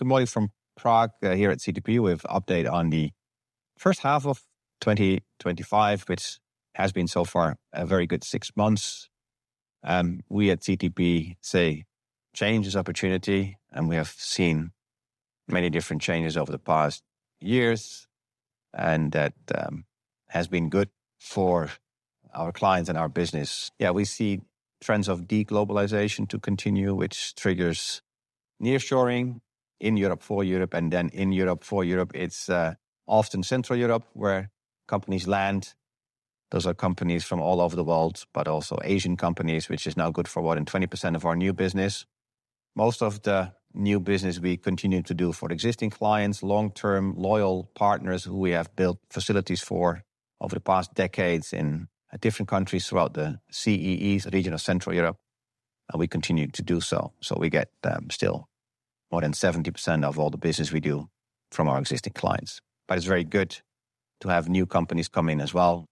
Good morning from Prague, here at CTP with an update on the first half of 2025, which has been so far a very good six months. We at CTP say change is opportunity, and we have seen many different changes over the past years, and that has been good for our clients and our business. We see trends of de-globalization to continue, which triggers nearshoring in Europe for Europe, and then in Europe for Europe. It's often Central Europe where companies land. Those are companies from all over the world, but also Asian companies, which is now good for more than 20% of our new business. Most of the new business we continue to do for existing clients, long-term loyal partners who we have built facilities for over the past decades in different countries throughout the CEE, the region of Central Europe, and we continue to do so. We get still more than 70% of all the business we do from our existing clients. It is very good to have new companies come in as well,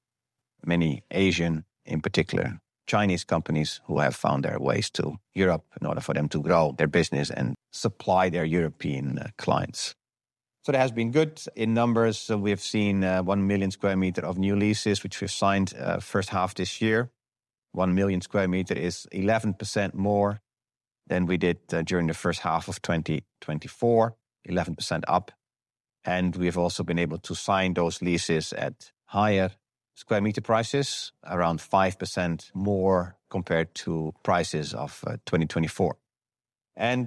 many Asian, in particular Chinese companies who have found their ways to Europe in order for them to grow their business and supply their European clients. It has been good in numbers. We've seen one million square meters of new leases, which we've signed the first half this year. One million square meters is 11% more than we did during the first half of 2024, 11% up. We've also been able to sign those leases at higher square meter prices, around 5% more compared to prices of 2024.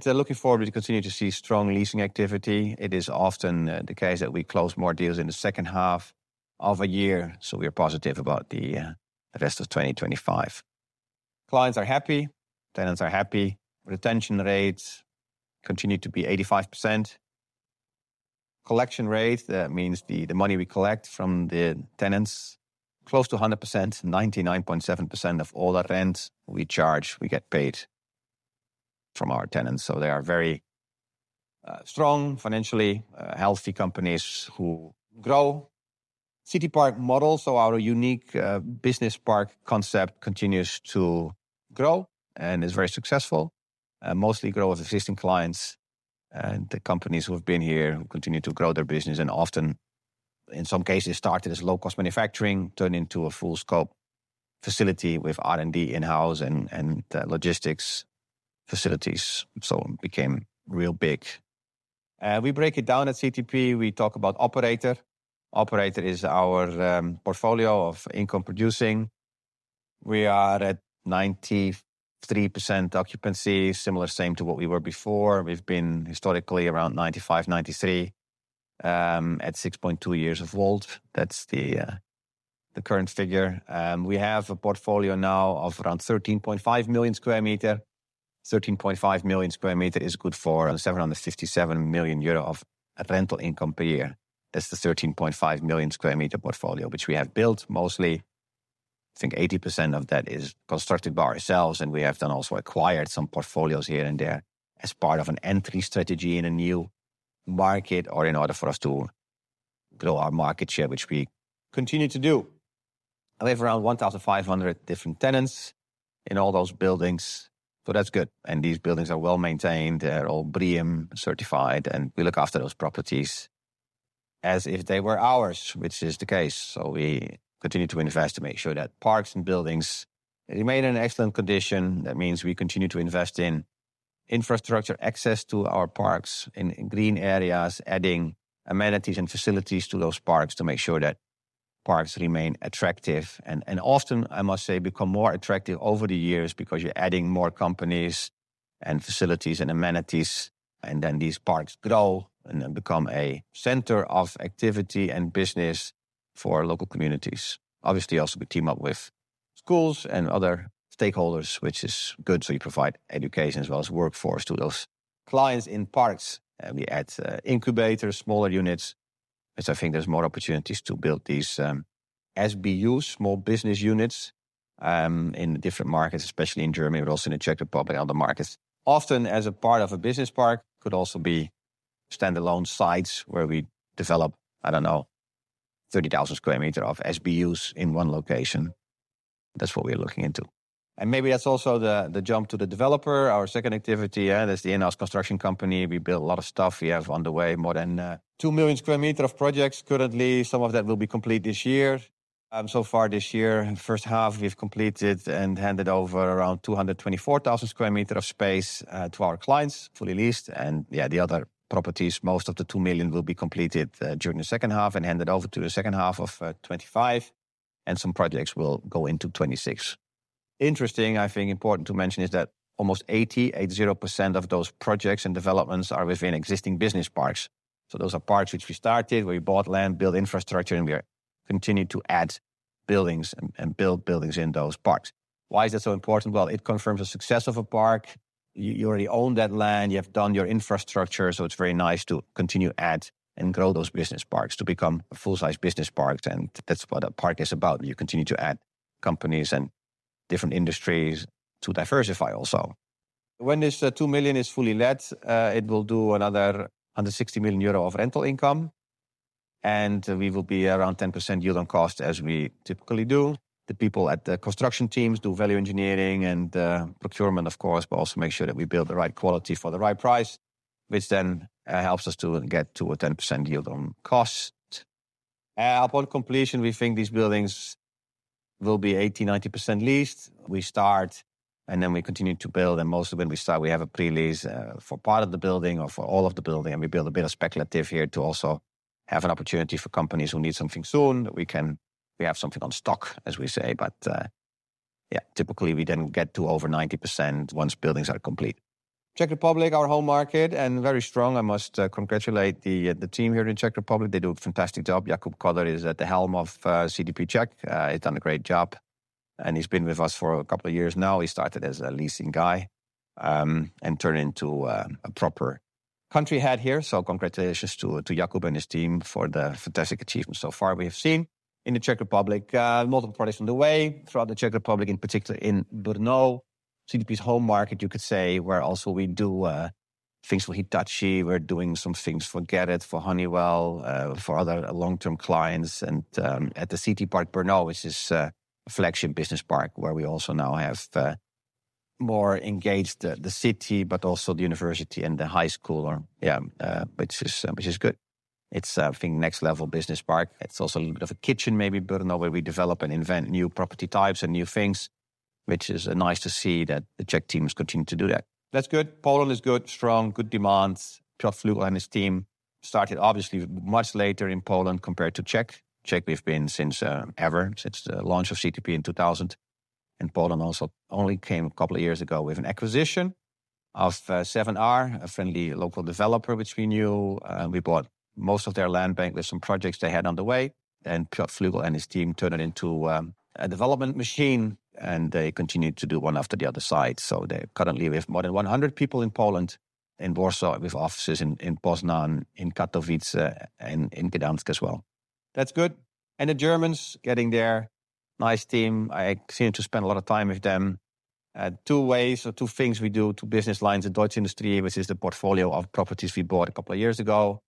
Looking forward to continuing to see strong leasing activity. It is often the case that we close more deals in the second half of a year. We are positive about the rest of 2025. Clients are happy, tenants are happy. Retention rates continue to be 85%. Collection rate, that means the money we collect from the tenants, close to 100%. 99.7% of all the rent we charge, we get paid from our tenants. They are very strong, financially healthy companies who grow. CTPark model, so our unique business park concept continues to grow and is very successful. Mostly grow with existing clients and the companies who have been here who continue to grow their business and often, in some cases, started as low-cost manufacturing, turned into a full-scope facility with R&D in-house and logistics facilities. It became real big. We break it down at CTP. We talk about Operator. Operator is our portfolio of income producing. We are at 93% occupancy, similar to what we were before. We've been historically around 95%-93% at 6.2 years of old. That's the current figure. We have a portfolio now of around 13.5 million sq m. 13.5 million sq m is good for 767 million euro of rental income per year. That's the 13.5 million sq m portfolio, which we have built mostly. I think 80% of that is constructed by ourselves, and we have also acquired some portfolios here and there as part of an entry strategy in a new market or in order for us to grow our market share, which we continue to do. We have around 1,500 different tenants in all those buildings. That's good. These buildings are well maintained. They're all BREEAM certified, and we look after those properties as if they were ours, which is the case. We continue to invest to make sure that parks and buildings remain in excellent condition. That means we continue to invest in infrastructure, access to our parks, in green areas, adding amenities and facilities to those parks to make sure that parks remain attractive. Often, I must say, they become more attractive over the years because you're adding more companies and facilities and amenities, and then these parks grow and become a center of activity and business for local communities. Obviously, we team up with schools and other stakeholders, which is good. You provide education as well as workforce to those clients in parks. We add incubators, smaller units, as I think there's more opportunities to build these SBUs, small business units, in different markets, especially in Germany, but also in the Czech Republic and other markets. Often, as a part of a business park, it could also be standalone sites where we develop, I don't know, 30,000 sq m of SBUs in one location. That's what we're looking into. Maybe that's also the jump to the developer, our second activity. That's the in-house construction company. We build a lot of stuff. We have underway more than 2 million sq m of projects currently. Some of that will be complete this year. So far this year, the first half we've completed and handed over around 224,000 sq m of space to our clients, fully leased. The other properties, most of the 2 million, will be completed during the second half and handed over to the second half of 2025. Some projects will go into 2026. Interesting, I think important to mention is that almost 80% of those projects and developments are within existing business parks. Those are parks which we started, where we bought land, built infrastructure, and we are continuing to add buildings and build buildings in those parks. Why is that so important? It confirms the success of a park. You already own that land. You have done your infrastructure. It's very nice to continue to add and grow those business parks to become a full-size business park. That's what a park is about. You continue to add companies and different industries to diversify also. When this 2 million is fully let, it will do another 160 million euro of rental income. We will be around 10% yield on cost as we typically do. The people at the construction teams do value engineering and procurement, of course, but also make sure that we build the right quality for the right price, which then helps us to get to a 10% yield on cost. Upon completion, we think these buildings will be 80%-90% leased. We start and then we continue to build. Mostly when we start, we have a pre-lease for part of the building or for all of the building. We build a bit of speculative here to also have an opportunity for companies who need something soon. We have something on stock, as we say. Typically we then get to over 90% once buildings are complete. Czech Republic, our home market, and very strong. I must congratulate the team here in Czech Republic. They do a fantastic job. Jakub Koller is at the helm of CTP Czech. He's done a great job. He's been with us for a couple of years now. He started as a leasing guy, and turned into a proper Country Head here. Congratulations to Jakub and his team for the fantastic achievements so far we have seen. In the Czech Republic, multiple parties on the way. Throughout the Czech Republic, in particular in Brno, CTP's home market, you could say, where also we do things for Hitachi. We're doing some things for Getit, for Honeywell, for other long-term clients. At the CTPark Brno, which is a flagship business park where we also now have more engaged the city, but also the university and the high school, which is good. I think it's next-level business park. It's also a little bit of a kitchen, maybe, Brno, where we develop and invent new property types and new things, which is nice to see that the Czech teams continue to do that. That's good. Poland is good, strong, good demands. Piotr Flugel and his team started obviously much later in Poland compared to Czech. Czech, we've been since ever, since the launch of CTP in 2000. Poland also only came a couple of years ago with an acquisition of 7R, a friendly local developer, which we knew. We bought most of their land bank with some projects they had on the way. Piotr Flugel and his team turned it into a development machine, and they continue to do one after the other side. They're currently with more than 100 people in Poland, in Warsaw, with offices in Poznań, in Katowice, and in Gdańsk as well. That's good. The Germans are getting there, nice team. I seem to spend a lot of time with them. Two ways or two things we do, two business lines in the Deutsche Industrie, which is the portfolio of properties we bought a couple of years ago,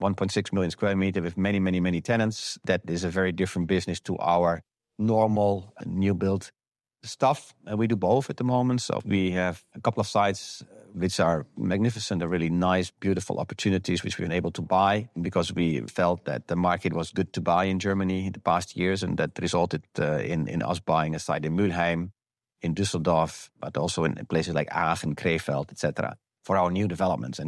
1.6 million sq m with many, many, many tenants. That is a very different business to our normal new build stuff. We do both at the moment. We have a couple of sites which are magnificent, are really nice, beautiful opportunities which we've been able to buy because we felt that the market was good to buy in Germany in the past years and that resulted in us buying a site in Mülheim, in Düsseldorf, but also in places like Aachen, Krefeld, et cetera, for our new developments.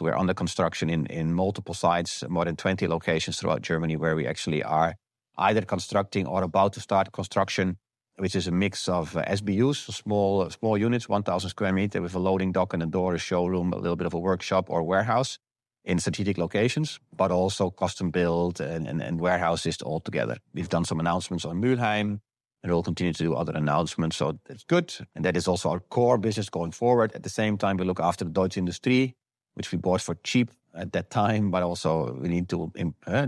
We have been able to start. We're under construction in multiple sites, more than 20 locations throughout Germany where we actually are either constructing or about to start construction, which is a mix of SBUs, so small units, 1,000 sq m with a loading dock and a door, a showroom, a little bit of a workshop or warehouse in strategic locations, but also custom build and warehouses altogether. We've done some announcements on Mülheim and will continue to do other announcements. That is also our core business going forward. At the same time, we look after the Deutsche Industrie, which we bought for cheap at that time, but also we need to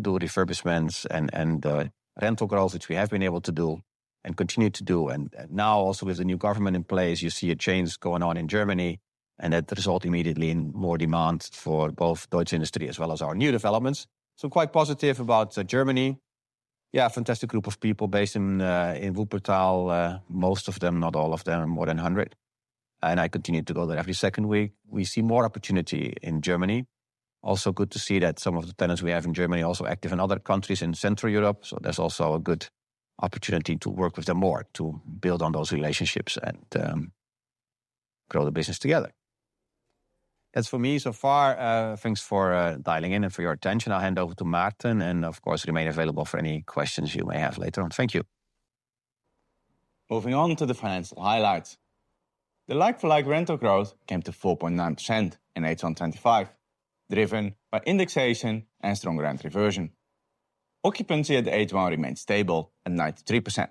do refurbishments and the rental growth, which we have been able to do and continue to do. Now also with the new government in place, you see a change going on in Germany and that resulted immediately in more demand for both Deutsche Industries as well as our new developments. Quite positive about Germany. A fantastic group of people based in Wuppertal, most of them, not all of them, more than 100. I continue to go there every second week. We see more opportunity in Germany. Also good to see that some of the tenants we have in Germany are also active in other countries in Central Europe. There's also a good opportunity to work with them more, to build on those relationships and grow the business together. That's for me so far. Thanks for dialing in and for your attention. I'll hand over to Maarten and of course remain available for any questions you may have later on. Thank you. Moving on to the financial highlights. The like-for-like rental growth came to 4.9% in H1 2025, driven by indexation and strong rent reversion. Occupancy at the half year remained stable at 93%.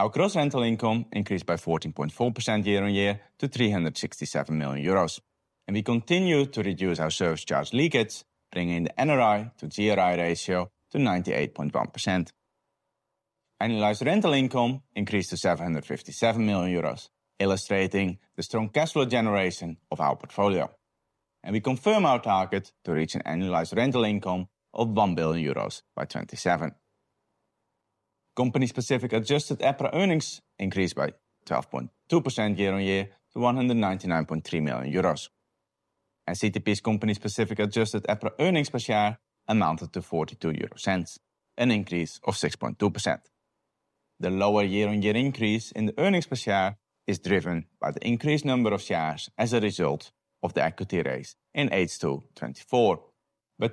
Our gross rental income increased by 14.4% year-on-year to 367 million euros. We continue to reduce our service charge leakage, bringing the NRI to GRI ratio to 98.1%. Annualized rental income increased to 757 million euros, illustrating the strong cash flow generation of our portfolio. We confirm our target to reach an annualized rental income of 1 billion euros by 2027. Company-specific adjusted EPRA earnings increased by 12.2% year-on-year to EUR 199.3 million. CTP's company-specific adjusted EPRA earnings per share amounted to 0.42, an increase of 6.2%. The lower year-on-year increase in the earnings per share is driven by the increased number of shares as a result of the equity raise in H2 2024.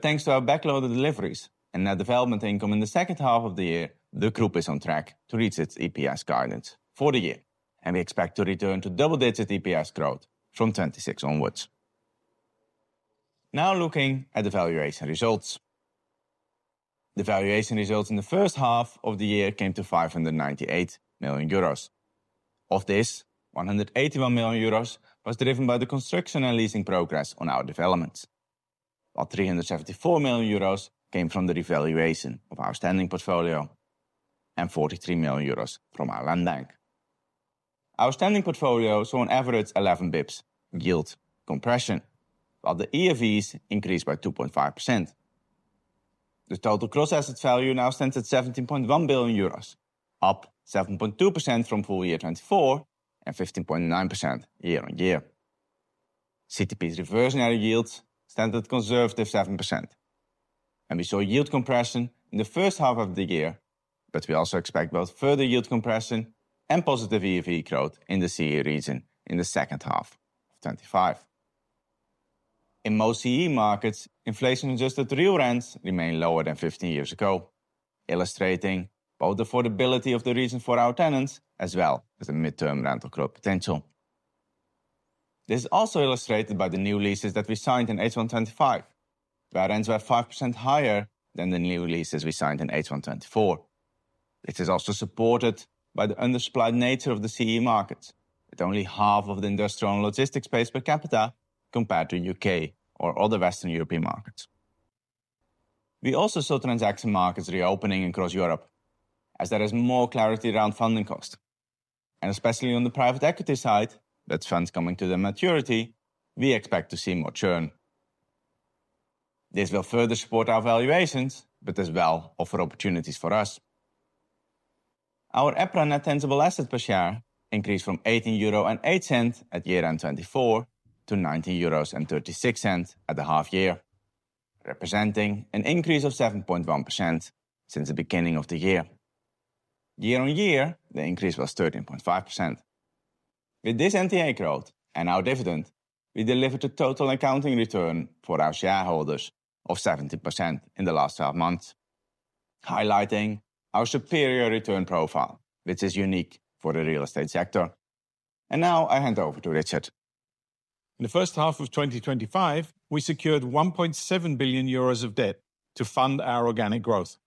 Thanks to our backload of deliveries and net development income in the second half of the year, the group is on track to reach its EPS guidance for the year. We expect to return to double-digit EPS growth from 2026 onwards. Now looking at the valuation results. The valuation results in the first half of the year came to 598 million euros. Of this, 181 million euros was driven by the construction and leasing progress on our developments, while 374 million euros came from the revaluation of our standing portfolio and 43 million euros from our land bank. Our standing portfolio saw an average 11 bps yield compression, while the EOVs increased by 2.5%. The total gross asset value now stands at 17.1 billion euros, up 7.2% from full year 2024 and 15.9% year-on-year. CTP's reversionary yields stand at a conservative 7%. We saw yield compression in the first half of the year, but we also expect both further yield compression and positive EOV growth in the CE region in the second half of 2025. In most CE markets, inflation-adjusted real rents remain lower than 15 years ago, illustrating both the affordability of the region for our tenants as well as the midterm rental growth potential. This is also illustrated by the new leases that we signed in H1 2025, where rents were 5% higher than the new leases we signed in H1 2024. This is also supported by the undersupplied nature of the CE markets, with only half of the industrial and logistics space per capita compared to the U.K. or other Western European markets. We also saw transaction markets reopening across Europe, as there is more clarity around funding costs. Especially on the private equity side, that's funds coming to their maturity, we expect to see more churn. This will further support our valuations, but as well offer opportunities for us. Our EPRA net tangible assets per share increased from 18.08 euro at year 2024 to 19.36 euros at the half year, representing an increase of 7.1% since the beginning of the year. Year on year, the increase was 13.5%. With this NTA growth and our dividend, we delivered a total accounting return for our shareholders of 70% in the last 12 months, highlighting our superior return profile, which is unique for the real estate sector. Now I hand over to Richard. In the first half of 2025, we secured 1.7 billion euros of debt to fund our organic growth.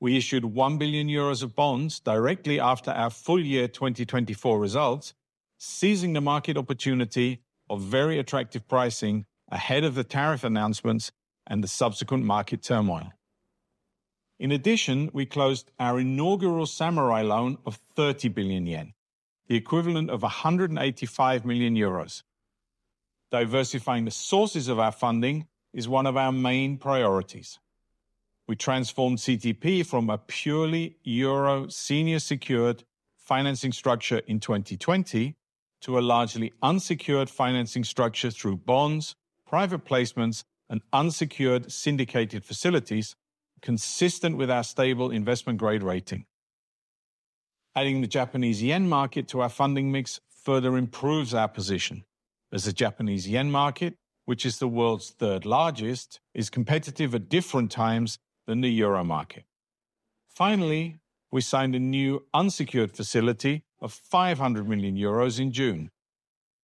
We issued 1 billion euros of bonds directly after our full year 2024 results, seizing the market opportunity of very attractive pricing ahead of the tariff announcements and the subsequent market turmoil. In addition, we closed our inaugural Samurai loan of 30 billion yen, the equivalent of 185 million euros. Diversifying the sources of our funding is one of our main priorities. We transformed CTP from a purely Euro senior-secured financing structure in 2020 to a largely unsecured financing structure through bonds, private placements, and unsecured syndicated facilities, consistent with our stable investment grade rating. Adding the Japanese yen market to our funding mix further improves our position, as the Japanese yen market, which is the world's third largest, is competitive at different times than the Euro market. Finally, we signed a new unsecured facility of 500 million euros in June,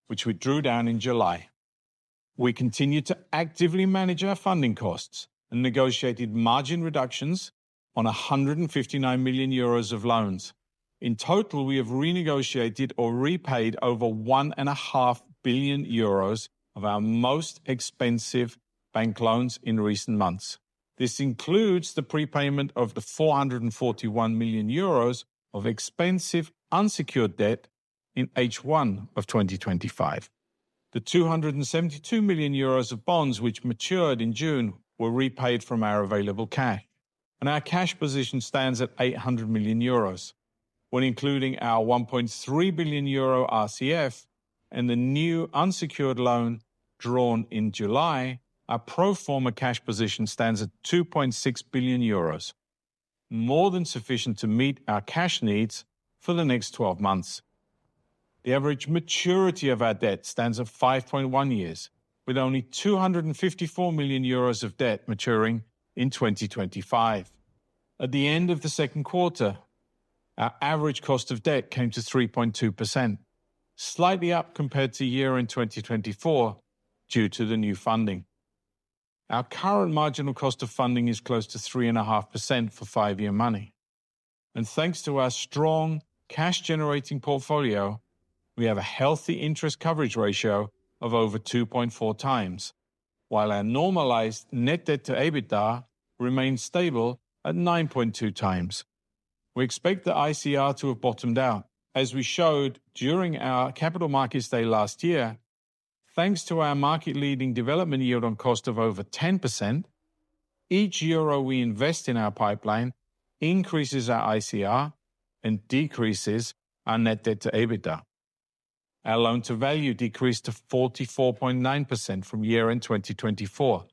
which we drew down in July. We continue to actively manage our funding costs and negotiated margin reductions on 159 million euros of loans. In total, we have renegotiated or repaid over 1.5 billion euros of our most expensive bank loans in recent months. This includes the prepayment of the 441 million euros of expensive unsecured debt in H1 of 2025. The 272 million euros of bonds which matured in June were repaid from our available cash. Our cash position stands at 800 million euros. When including our 1.3 billion euro RCF and the new unsecured loan drawn in July, our pro forma cash position stands at 2.6 billion euros, more than sufficient to meet our cash needs for the next 12 months. The average maturity of our debt stands at 5.1 years, with only 254 million euros of debt maturing in 2025. At the end of the second quarter, our average cost of debt came to 3.2%, slightly up compared to a year in 2024 due to the new funding. Our current marginal cost of funding is close to 3.5% for five-year money. Thanks to our strong cash-generating portfolio, we have a healthy interest coverage ratio of over 2.4x, while our normalized net debt to EBITDA remains stable at 9.2x. We expect the ICR to have bottomed out, as we showed during our capital markets day last year, thanks to our market-leading development yield on cost of over 10%. Each euro we invest in our pipeline increases our ICR and decreases our net debt to EBITDA. Our loan-to-value decreased to 44.9% from year end 2024,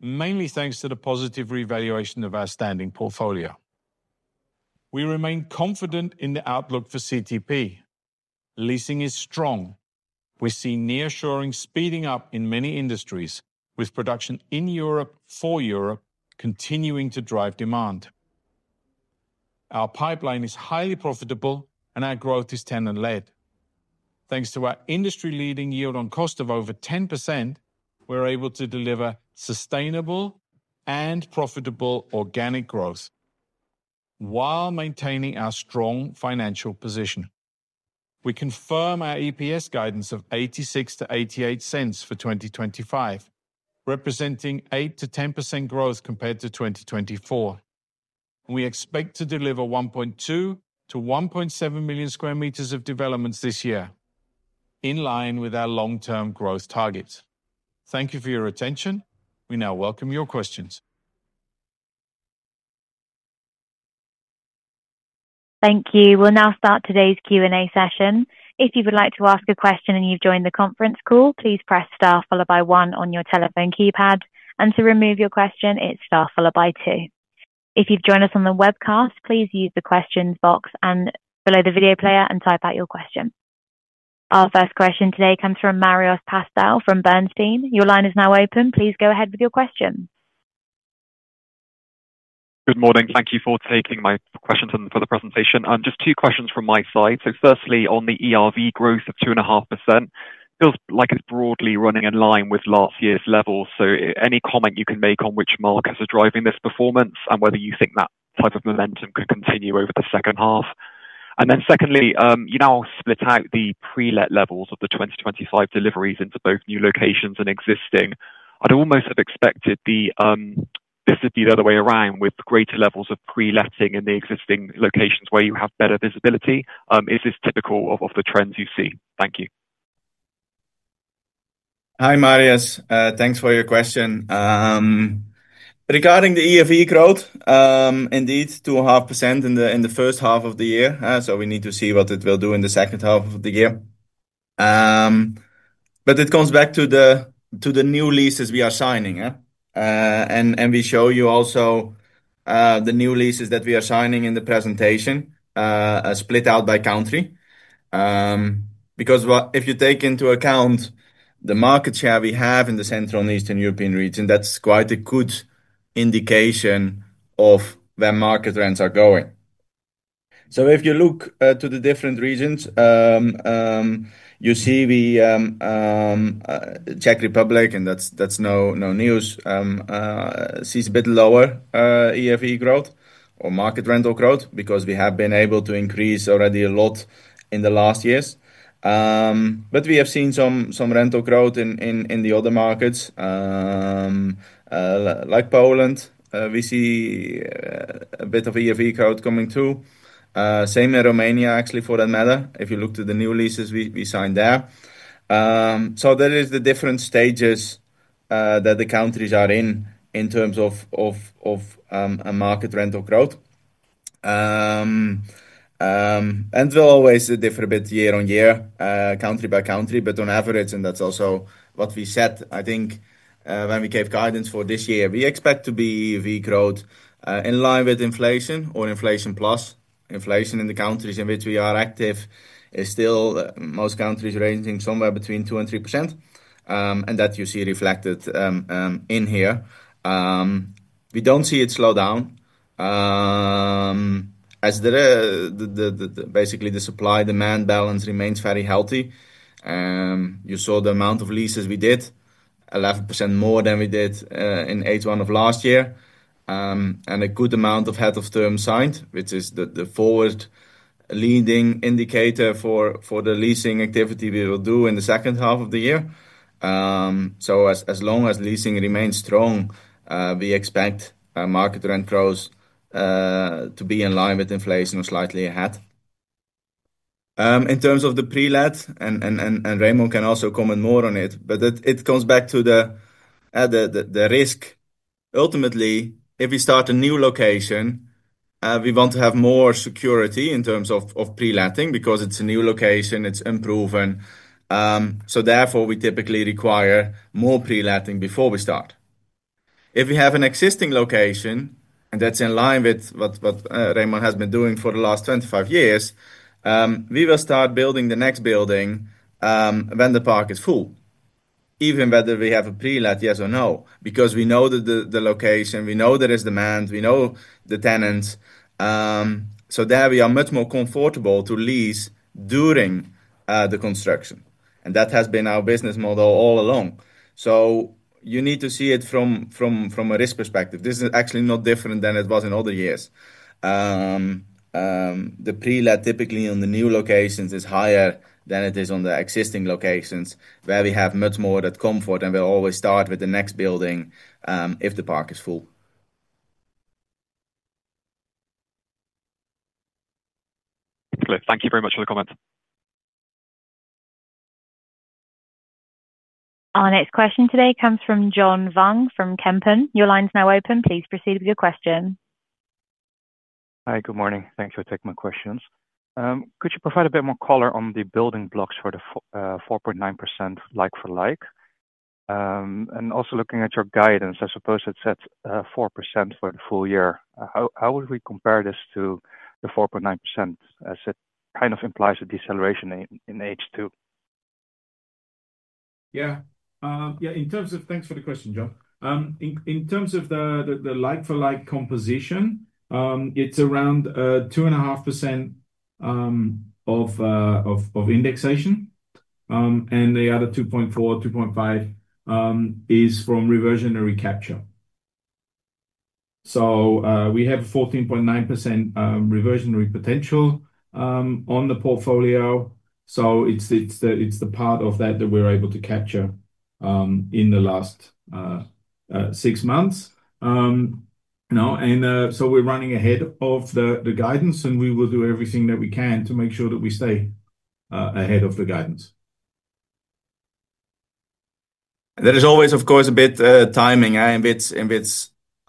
mainly thanks to the positive revaluation of our standing portfolio. We remain confident in the outlook for CTP. Leasing is strong. We see nearshoring speeding up in many industries, with production in Europe for Europe continuing to drive demand. Our pipeline is highly profitable, and our growth is tenant-led. Thanks to our industry-leading yield on cost of over 10%, we're able to deliver sustainable and profitable organic growth while maintaining our strong financial position. We confirm our EPS guidance of 0.86-0.88 for 2025, representing 8%-10% growth compared to 2024. We expect to deliver 1.2 million sq m-1.7 million sq m of developments this year, in line with our long-term growth targets. Thank you for your attention. We now welcome your questions. Thank you. We'll now start today's Q&A session. If you would like to ask a question and you've joined the conference call, please press star followed by one on your telephone keypad. To remove your question, it's star followed by two. If you've joined us on the webcast, please use the questions box below the video player and type out your question. Our first question today comes from Marios Pastou from Bernstein. Your line is now open. Please go ahead with your question. Good morning. Thank you for taking my questions and for the presentation. Just two questions from my side. Firstly, on the ERV growth of 2.5%, it feels like it's broadly running in line with last year's levels. Any comment you can make on which markets are driving this performance and whether you think that type of momentum could continue over the second half? Secondly, you now split out the pre-let levels of the 2025 deliveries into both new locations and existing. I'd almost have expected the business to be the other way around with greater levels of pre-letting in the existing locations where you have better visibility. Is this typical of the trends you see? Thank you. Hi Marios, thanks for your question. Regarding the ERV growth, indeed 2.5% in the first half of the year. We need to see what it will do in the second half of the year. It comes back to the new leases we are signing. We show you also the new leases that we are signing in the presentation, split out by country. If you take into account the market share we have in the Central and Eastern European region, that's quite a good indication of where market rents are going. If you look to the different regions, you see the Czech Republic, and that's no news, sees a bit lower ERV growth or market rental growth because we have been able to increase already a lot in the last years. We have seen some rental growth in the other markets, like Poland. We see a bit of ERV growth coming too. Same in Romania, actually, for that matter, if you look to the new leases we signed there. There are the different stages that the countries are in in terms of market rental growth. It will always differ a bit year on year, country by country, but on average, and that's also what we set. I think when we gave guidance for this year, we expect to be ERV growth in line with inflation or inflation plus. Inflation in the countries in which we are active is still most countries ranging somewhere between 2% and 3%. That you see reflected in here. We don't see it slow down. Basically, the supply-demand balance remains very healthy. You saw the amount of leases we did, 11% more than we did in H1 of last year. A good amount of head-of-term signed, which is the forward-leading indicator for the leasing activity we will do in the second half of the year. As long as leasing remains strong, we expect our market rent growth to be in line with inflation or slightly ahead. In terms of the pre-let, and Remon can also comment more on it, it comes back to the risk. Ultimately, if we start a new location, we want to have more security in terms of pre-letting because it's a new location, it's improven. Therefore, we typically require more pre-letting before we start. If we have an existing location, and that's in line with what Remon has been doing for the last 25 years, we will start building the next building when the park is full, even whether we have a pre-let, yes or no, because we know the location, we know there is demand, we know the tenants. There we are much more comfortable to lease during the construction. That has been our business model all along. You need to see it from a risk perspective. This is actually not different than it was in other years. The pre-let typically on the new locations is higher than it is on the existing locations where we have much more of that comfort, and we'll always start with the next building if the park is full. Thank you very much for the comment. Our next question today comes from John Vuong from Kempen. Your line's now open. Please proceed with your question. Hi, good morning. Thanks for taking my questions. Could you provide a bit more color on the building blocks for the 4.9% like-for-like? Also, looking at your guidance, I suppose it sets 4% for the full year. How would we compare this to the 4.9% as it kind of implies a deceleration in H2? Yeah, in terms of thanks for the question, John. In terms of the like-for-like composition, it's around 2.5% of indexation. The other 2.4% or 2.5% is from reversionary capture. We have a 14.9% reversionary potential on the portfolio. It's the part of that that we were able to capture in the last six months. We're running ahead of the guidance, and we will do everything that we can to make sure that we stay ahead of the guidance. That is always, of course, a bit timing. In which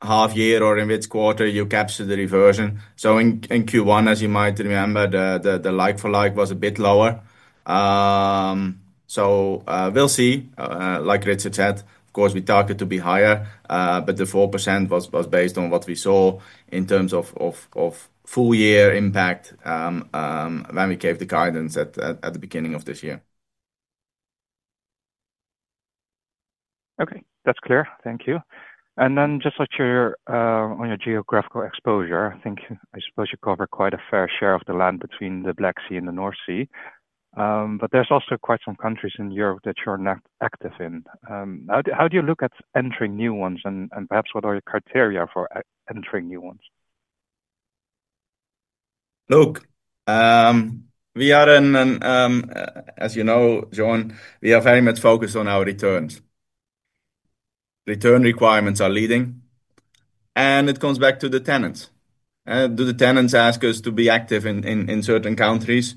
half year or in which quarter you capture the reversion. In Q1, as you might remember, the like-for-like was a bit lower. We'll see, like Richard said, of course, we target to be higher, but the 4% was based on what we saw in terms of full-year impact when we gave the guidance at the beginning of this year. Okay, that's clear. Thank you. Just on your geographical exposure, I think I suppose you cover quite a fair share of the land between the Black Sea and the North Sea. There's also quite some countries in Europe that you're not active in. How do you look at entering new ones and perhaps what are your criteria for entering new ones? Look, we are in, as you know, John, we are very much focused on our returns. Return requirements are leading. It comes back to the tenants. Do the tenants ask us to be active in certain countries?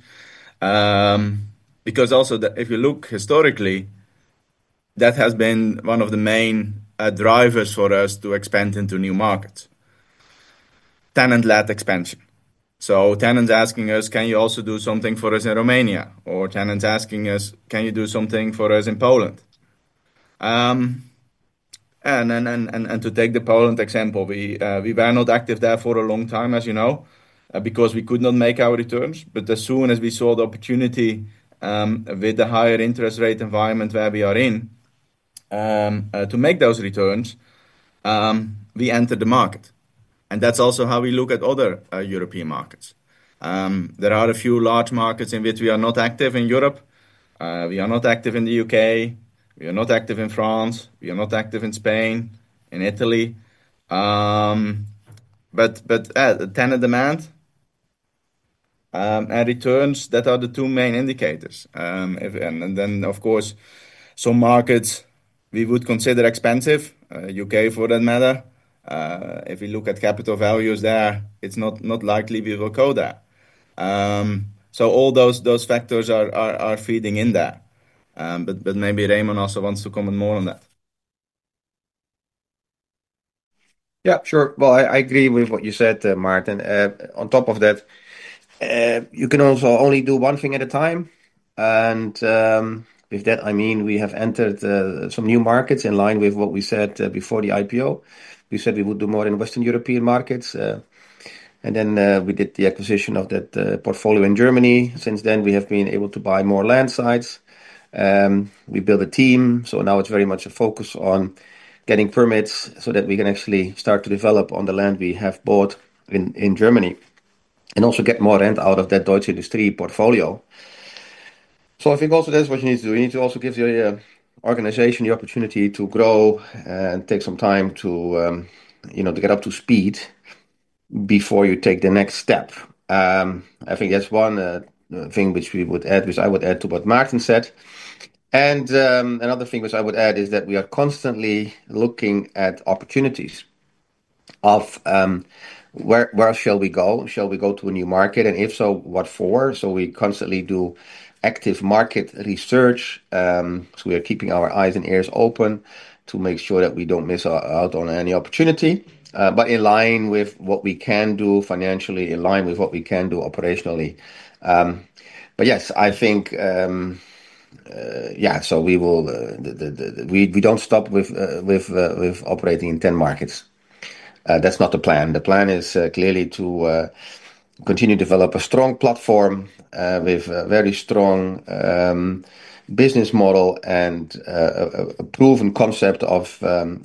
Because also, if you look historically, that has been one of the main drivers for us to expand into new markets. Tenant-led expansion. Tenants asking us, can you also do something for us in Romania? Or tenants asking us, can you do something for us in Poland? To take the Poland example, we were not active there for a long time, as you know, because we could not make our returns. As soon as we saw the opportunity with the higher interest rate environment where we are in to make those returns, we entered the market. That is also how we look at other European markets. There are a few large markets in which we are not active in Europe. We are not active in the U.K. We are not active in France. We are not active in Spain, in Italy. Tenant demand and returns, that are the two main indicators. Of course, some markets we would consider expensive, U.K. for that matter. If you look at capital values there, it is not likely we will go there. All those factors are feeding in there. Maybe Remon also wants to comment more on that. Yeah, sure. I agree with what you said, Maarten. On top of that, you can also only do one thing at a time. With that, I mean we have entered some new markets in line with what we said before the IPO. We said we would do more in Western European markets. We did the acquisition of that portfolio in Germany. Since then, we have been able to buy more land sites. We built a team. Now it's very much a focus on getting permits so that we can actually start to develop on the land we have bought in Germany and also get more rent out of that Deutsche Industrie portfolio. I think that's what you need to do. You need to also give your organization the opportunity to grow and take some time to get up to speed before you take the next step. I think that's one thing which I would add to what Maarten said. Another thing which I would add is that we are constantly looking at opportunities of where shall we go. Shall we go to a new market, and if so, what for. We constantly do active market research. We are keeping our eyes and ears open to make sure that we don't miss out on any opportunity, in line with what we can do financially, in line with what we can do operationally. Yes, I think, yeah, we will, we don't stop with operating in 10 markets. That's not the plan. The plan is clearly to continue to develop a strong platform with a very strong business model and a proven concept of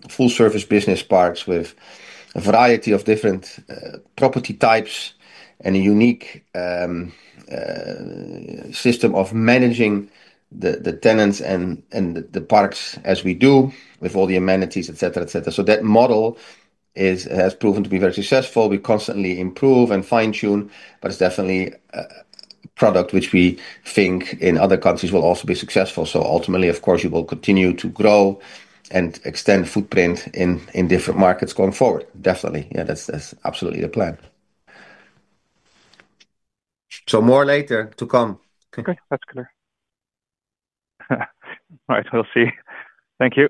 full-service business parks with a variety of different property types and a unique system of managing the tenants and the parks as we do with all the amenities, et cetera, et cetera. That model has proven to be very successful. We constantly improve and fine-tune, but it's definitely a product which we think in other countries will also be successful. Ultimately, of course, you will continue to grow and extend footprint in different markets going forward. Definitely. Yeah, that's absolutely the plan. More later to come. Okay, that's clear. All right, we'll see. Thank you.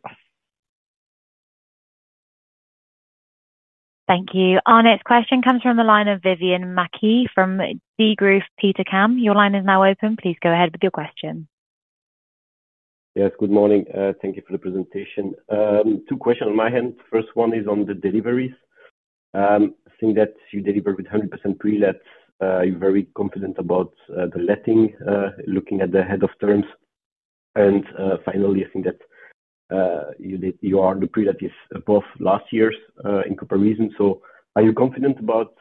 Thank you. Our next question comes from the line of Vivien Maquet from Degroof Petercam. Your line is now open. Please go ahead with your question. Yes, good morning. Thank you for the presentation. Two questions on my end. First one is on the deliveries. I think that you deliver with 100% pre-lets. You're very confident about the letting, looking at the head of terms. Finally, I think that you are pre-let above last year's in comparison. Are you confident about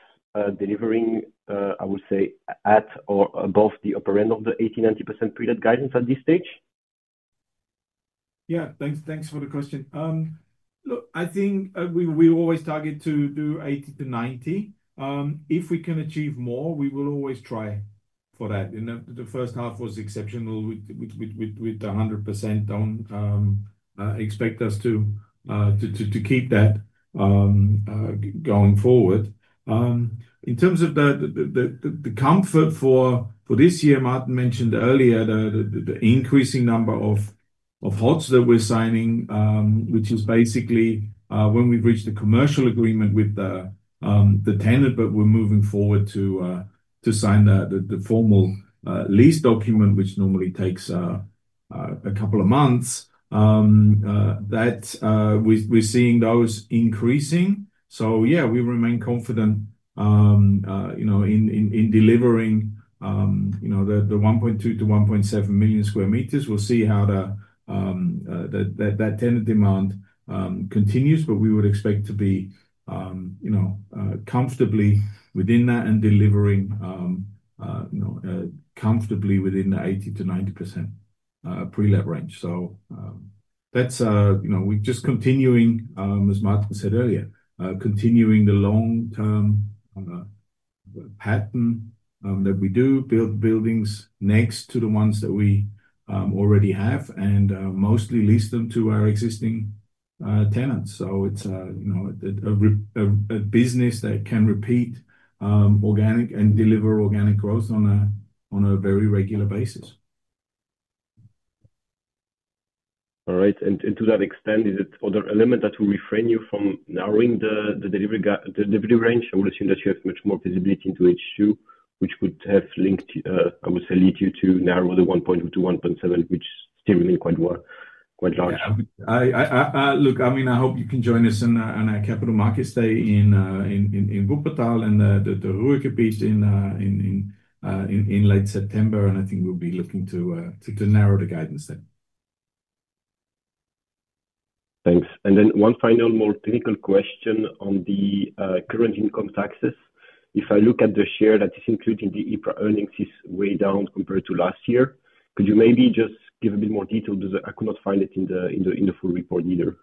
delivering, I would say, at or above the upper end of the 80%, 90% pre-let guidance at this stage? Yeah, thanks for the question. Look, I think we always target to do 80%-90%. If we can achieve more, we will always try for that. The first half was exceptional with 100%. Don't expect us to keep that going forward. In terms of the comfort for this year, Maarten mentioned earlier the increasing number of HoTs that we're signing, which is basically when we've reached the commercial agreement with the tenant, but we're moving forward to sign the formal lease document, which normally takes a couple of months. We're seeing those increasing. Yeah, we remain confident in delivering the 1.2 million sq m-1.7 million sq m. We'll see how that tenant demand continues, but we would expect to be comfortably within that and delivering comfortably within the 80%-90% pre-let range. We're just continuing, as Maarten said earlier, continuing the long-term pattern that we do, build buildings next to the ones that we already have and mostly lease them to our existing tenants. It's a business that can repeat organic and deliver organic growth on a very regular basis. All right. To that extent, is it an element that will refrain you from narrowing the delivery range? I would assume that you have much more visibility into H2, which could have, I would say, led you to narrow the 1.2 million-1.7 million, which is still really quite large. Yeah, look, I mean, I hope you can join us on our capital markets day in Wuppertal and the Ruhrgebiet in late September. I think we'll be looking to narrow the guidance then. Thanks. One final, more technical question on the current income taxes. If I look at the share that is included in the EPRA earnings, it's way down compared to last year. Could you maybe just give a bit more detail? I could not find it in the full report either.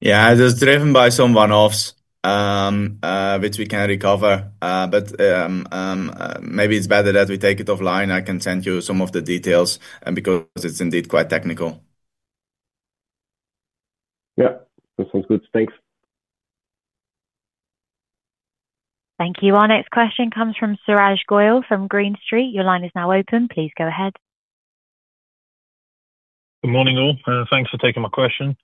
Yeah, it was driven by some one-offs, which we can recover. Maybe it's better that we take it offline. I can send you some of the details because it's indeed quite technical. Yeah, that sounds good. Thanks. Thank you. Our next question comes from Suraj Goyal from Green Street. Your line is now open. Please go ahead. Good morning all. Thanks for taking my question.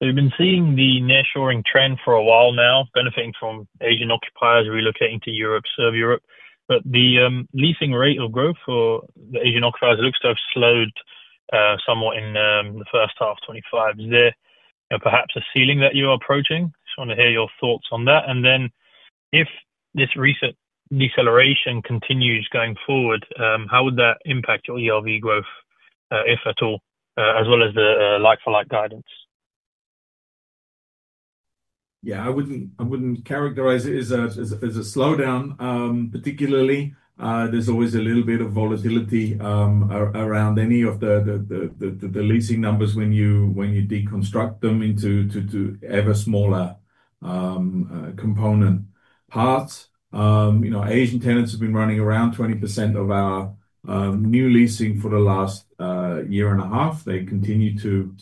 We've been seeing the nearshoring trend for a while now, benefiting from Asian occupiers relocating to Europe to serve Europe. The leasing rate of growth for the Asian occupiers looks to have slowed somewhat in the first half of 2025. Is there perhaps a ceiling that you're approaching? I just want to hear your thoughts on that. If this recent deceleration continues going forward, how would that impact your ERV growth, if at all, as well as the like-for-like guidance? Yeah, I wouldn't characterize it as a slowdown, particularly. There's always a little bit of volatility around any of the leasing numbers when you deconstruct them into ever smaller component parts. Asian tenants have been running around 20% of our new leasing for the last year and a half. They continue to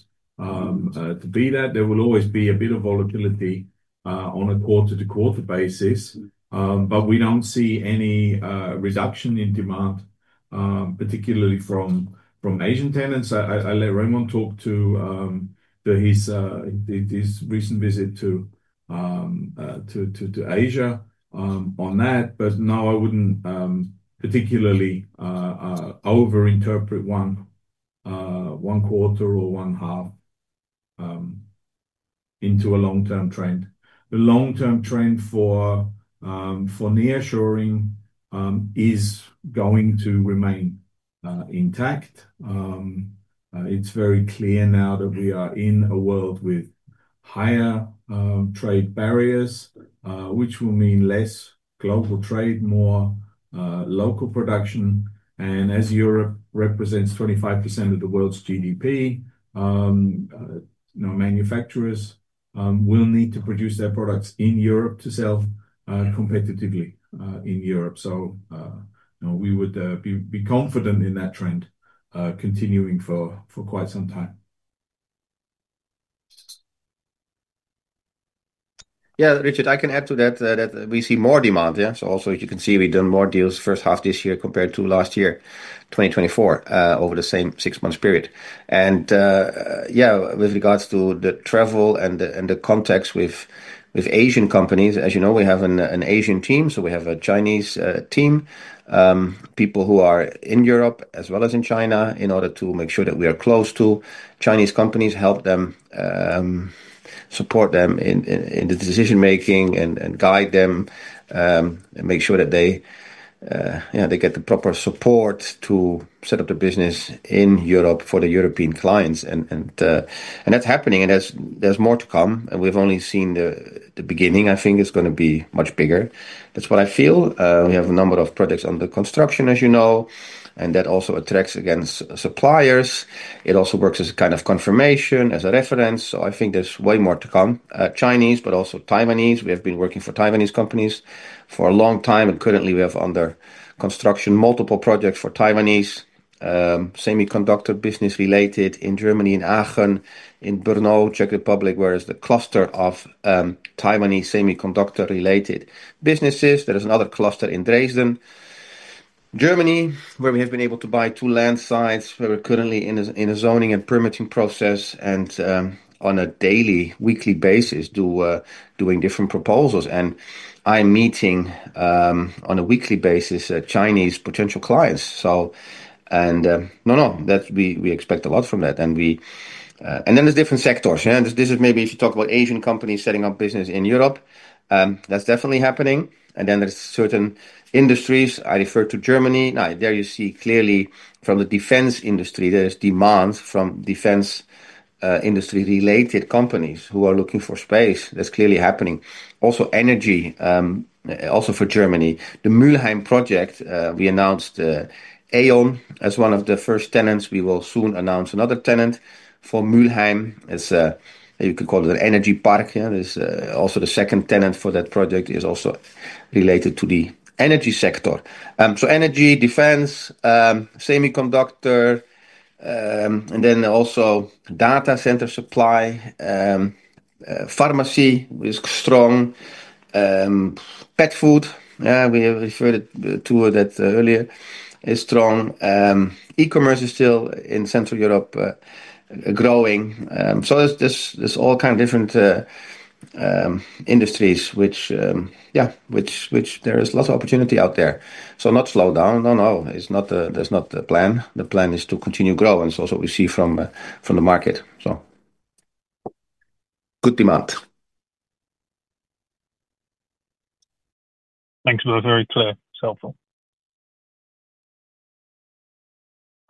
be that. There will always be a bit of volatility on a quarter-to-quarter basis. We don't see any reduction in demand, particularly from Asian tenants. I'll let Remon talk to his recent visit to Asia on that. I wouldn't particularly overinterpret one quarter or one half into a long-term trend. The long-term trend for nearshoring is going to remain intact. It's very clear now that we are in a world with higher trade barriers, which will mean less global trade, more local production. Europe represents 25% of the world's GDP, so manufacturers will need to produce their products in Europe to sell competitively in Europe. We would be confident in that trend continuing for quite some time. Yeah, Richard, I can add to that that we see more demand. Also, as you can see, we've done more deals first half this year compared to last year, 2024, over the same six-month period. With regards to the travel and the context with Asian companies, as you know, we have an Asian team. We have a Chinese team, people who are in Europe as well as in China in order to make sure that we are close to Chinese companies, help them, support them in the decision-making and guide them, make sure that they get the proper support to set up the business in Europe for the European clients. That's happening. There's more to come. We've only seen the beginning. I think it's going to be much bigger. That's what I feel. We have a number of projects under construction, as you know. That also attracts suppliers. It also works as a kind of confirmation, as a reference. I think there's way more to come. Chinese, but also Taiwanese. We have been working for Taiwanese companies for a long time. Currently, we have under construction multiple projects for Taiwanese semiconductor business related in Germany, in Aachen, in Brno, Czech Republic, where there's the cluster of Taiwanese semiconductor related businesses. There's another cluster in Dresden, Germany, where we have been able to buy two land sites, where we're currently in a zoning and permitting process. On a daily, weekly basis, doing different proposals. I'm meeting on a weekly basis Chinese potential clients. We expect a lot from that. There's different sectors. Maybe we should talk about Asian companies setting up business in Europe. That's definitely happening. There's certain industries. I refer to Germany. There you see clearly from the defense industry, there's demand from defense industry-related companies who are looking for space. That's clearly happening. Also, energy, also for Germany. The Mülheim project, we announced E.ON as one of the first tenants. We will soon announce another tenant for Mülheim. You could call it an energy park. The second tenant for that project is also related to the energy sector. Energy, defense, semiconductor, and also data center supply, pharmacy is strong. Pet food, we referred to that earlier, is strong. E-commerce is still in Central Europe growing. There's all kinds of different industries, which, yeah, which there is lots of opportunity out there. Not slow down. No, there's not a plan. The plan is to continue growing. That's what we see from the market. Good demand. Thanks, that was very clear. It's helpful.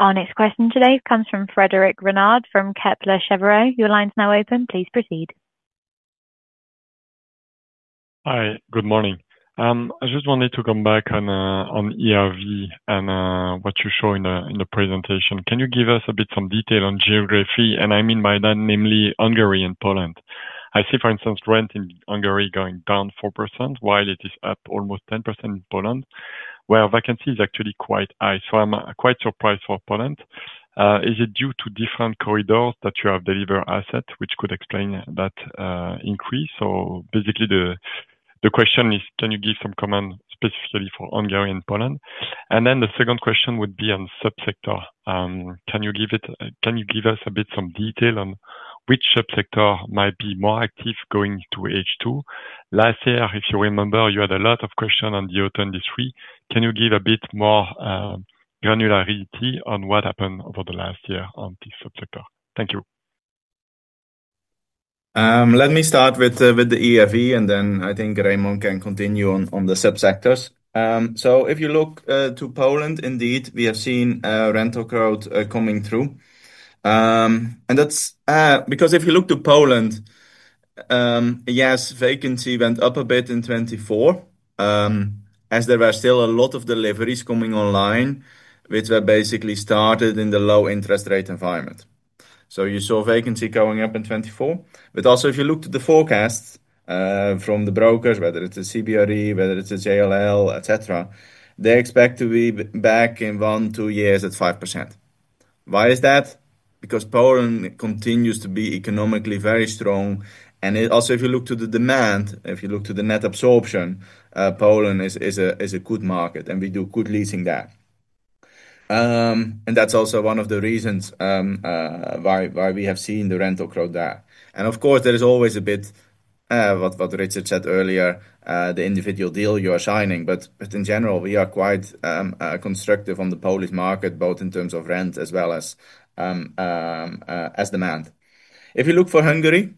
Our next question today comes from Frédéric Renard from Kepler Cheuvreux. Your line's now open. Please proceed. Hi, good morning. I just wanted to come back on ERV and what you show in the presentation. Can you give us a bit of detail on geography? I mean by that namely Hungary and Poland. I see, for instance, rent in Hungary going down 4% while it is up almost 10% in Poland, where vacancy is actually quite high. I'm quite surprised for Poland. Is it due to different corridors that you have delivered assets, which could explain that increase? Basically, the question is, can you give some comments specifically for Hungary and Poland? The second question would be on subsector. Can you give us a bit of detail on which subsector might be more active going to H2? Last year, if you remember, you had a lot of questions on the autonomous industry. Can you give a bit more granularity on what happened over the last year on this subsector? Thank you. Let me start with the ERV, and then I think Remon can continue on the subsectors. If you look to Poland, indeed, we have seen a rental growth coming through. That's because if you look to Poland, yes, vacancy went up a bit in 2024, as there were still a lot of deliveries coming online, which were basically started in the low interest rate environment. You saw vacancy going up in 2024. If you look to the forecasts from the brokers, whether it's CBRE, whether it's JLL, etc., they expect to be back in one, two years at 5%. Why is that? Poland continues to be economically very strong. If you look to the demand, if you look to the net absorption, Poland is a good market, and we do good leasing there. That's also one of the reasons why we have seen the rental growth there. Of course, there is always a bit, what Richard said earlier, the individual deal you are signing. In general, we are quite constructive on the Polish market, both in terms of rent as well as demand. If you look for Hungary,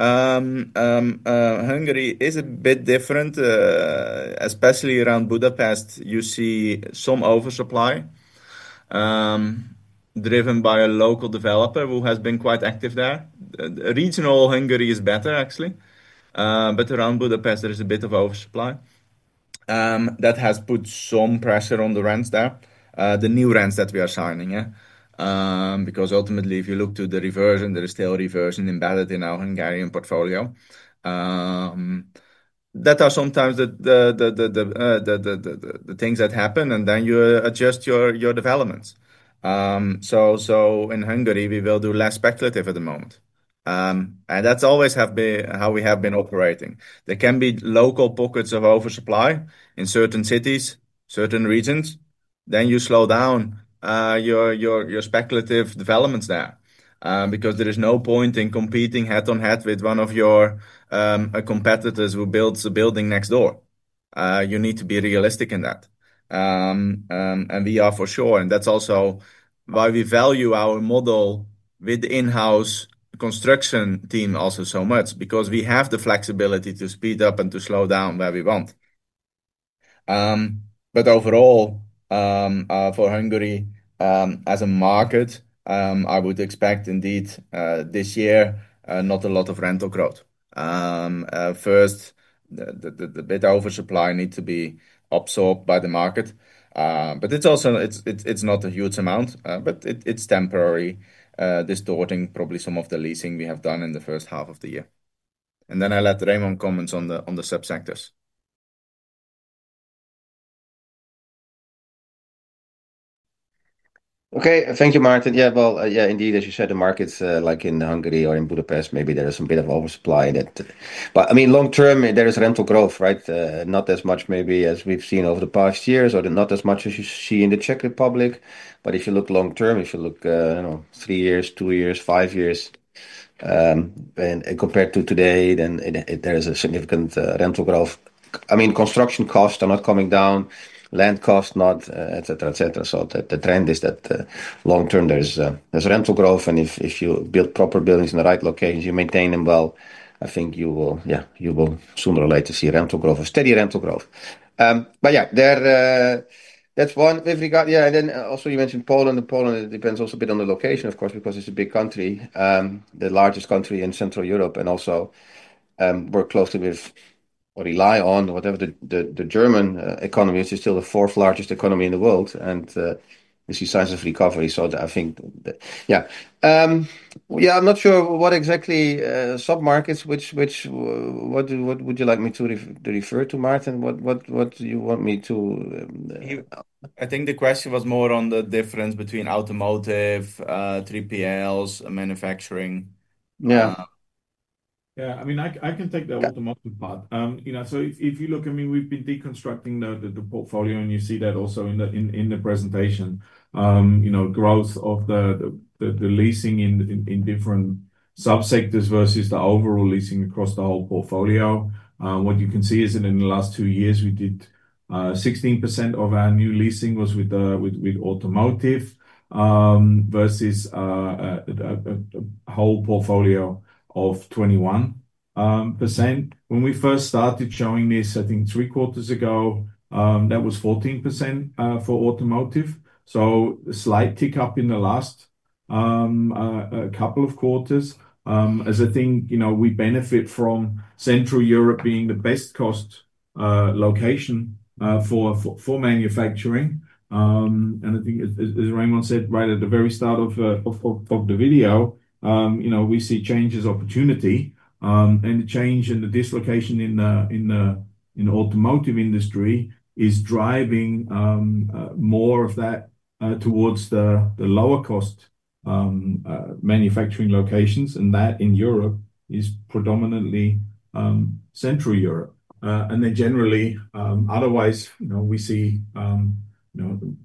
Hungary is a bit different, especially around Budapest. You see some oversupply driven by a local developer who has been quite active there. Regional Hungary is better, actually. Around Budapest, there is a bit of oversupply. That has put some pressure on the rents there, the new rents that we are signing. Ultimately, if you look to the reversion, there is still reversion embedded in our Hungarian portfolio. That are sometimes the things that happen, and then you adjust your developments. In Hungary, we will do less speculative at the moment. That's always how we have been operating. There can be local pockets of oversupply in certain cities, certain regions. You slow down your speculative developments there. There is no point in competing head-on-head with one of your competitors who builds a building next door. You need to be realistic in that. We are for sure. That's also why we value our model with the in-house construction team also so much, because we have the flexibility to speed up and to slow down where we want. Overall, for Hungary, as a market, I would expect indeed this year not a lot of rental growth. First, the bit of oversupply needs to be absorbed by the market. It's also, it's not a huge amount, but it's temporary, distorting probably some of the leasing we have done in the first half of the year. I'll let Remon comment on the subsectors. Okay, thank you, Maarten. Indeed, as you said, the markets like in Hungary or in Budapest, maybe there is a bit of oversupply in it. I mean, long term, there is rental growth, right? Not as much maybe as we've seen over the past years, or not as much as you see in the Czech Republic. If you look long term, if you look, you know, three years, two years, five years, and compared to today, then there is a significant rental growth. I mean, construction costs are not coming down, land costs not, et cetera, et cetera. The trend is that long term, there's rental growth. If you build proper buildings in the right locations, you maintain them well, I think you will, yeah, you will sooner or later see rental growth, a steady rental growth. That's one with regard, yeah. Also, you mentioned Poland. Poland depends also a bit on the location, of course, because it's a big country, the largest country in Central Europe. Also work closely with or rely on whatever the German economy is. It's still the fourth largest economy in the world. You see signs of recovery. I think, yeah. I'm not sure what exactly submarkets, which, which, what would you like me to refer to, Maarten? What do you want me to? I think the question was more on the difference between automotive, 3PLs, and manufacturing. Yeah. Yeah, I mean, I can take the automotive part. If you look, we've been deconstructing the portfolio, and you see that also in the presentation, growth of the leasing in different subsectors versus the overall leasing across the whole portfolio. What you can see is that in the last two years, we did 16% of our new leasing was with automotive versus a whole portfolio of 21%. When we first started showing this, I think three quarters ago, that was 14% for automotive. A slight tick up in the last couple of quarters, as I think, you know, we benefit from Central Europe being the best cost location for manufacturing. I think, as Remon said right at the very start of the video, we see changes in opportunity. The change in the dislocation in the automotive industry is driving more of that towards the lower cost manufacturing locations. In Europe, that is predominantly Central Europe. Generally, otherwise, we see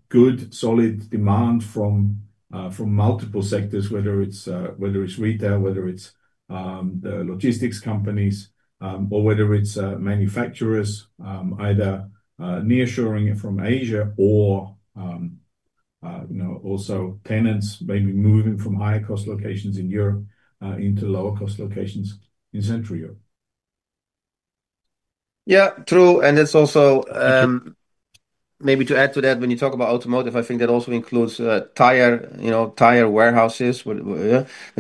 good solid demand from multiple sectors, whether it's retail, the logistics companies, or manufacturers, either nearshoring from Asia or also tenants maybe moving from higher cost locations in Europe into lower cost locations in Central Europe. Yeah, true. It's also maybe to add to that, when you talk about automotive, I think that also includes tire, you know, tire warehouses, which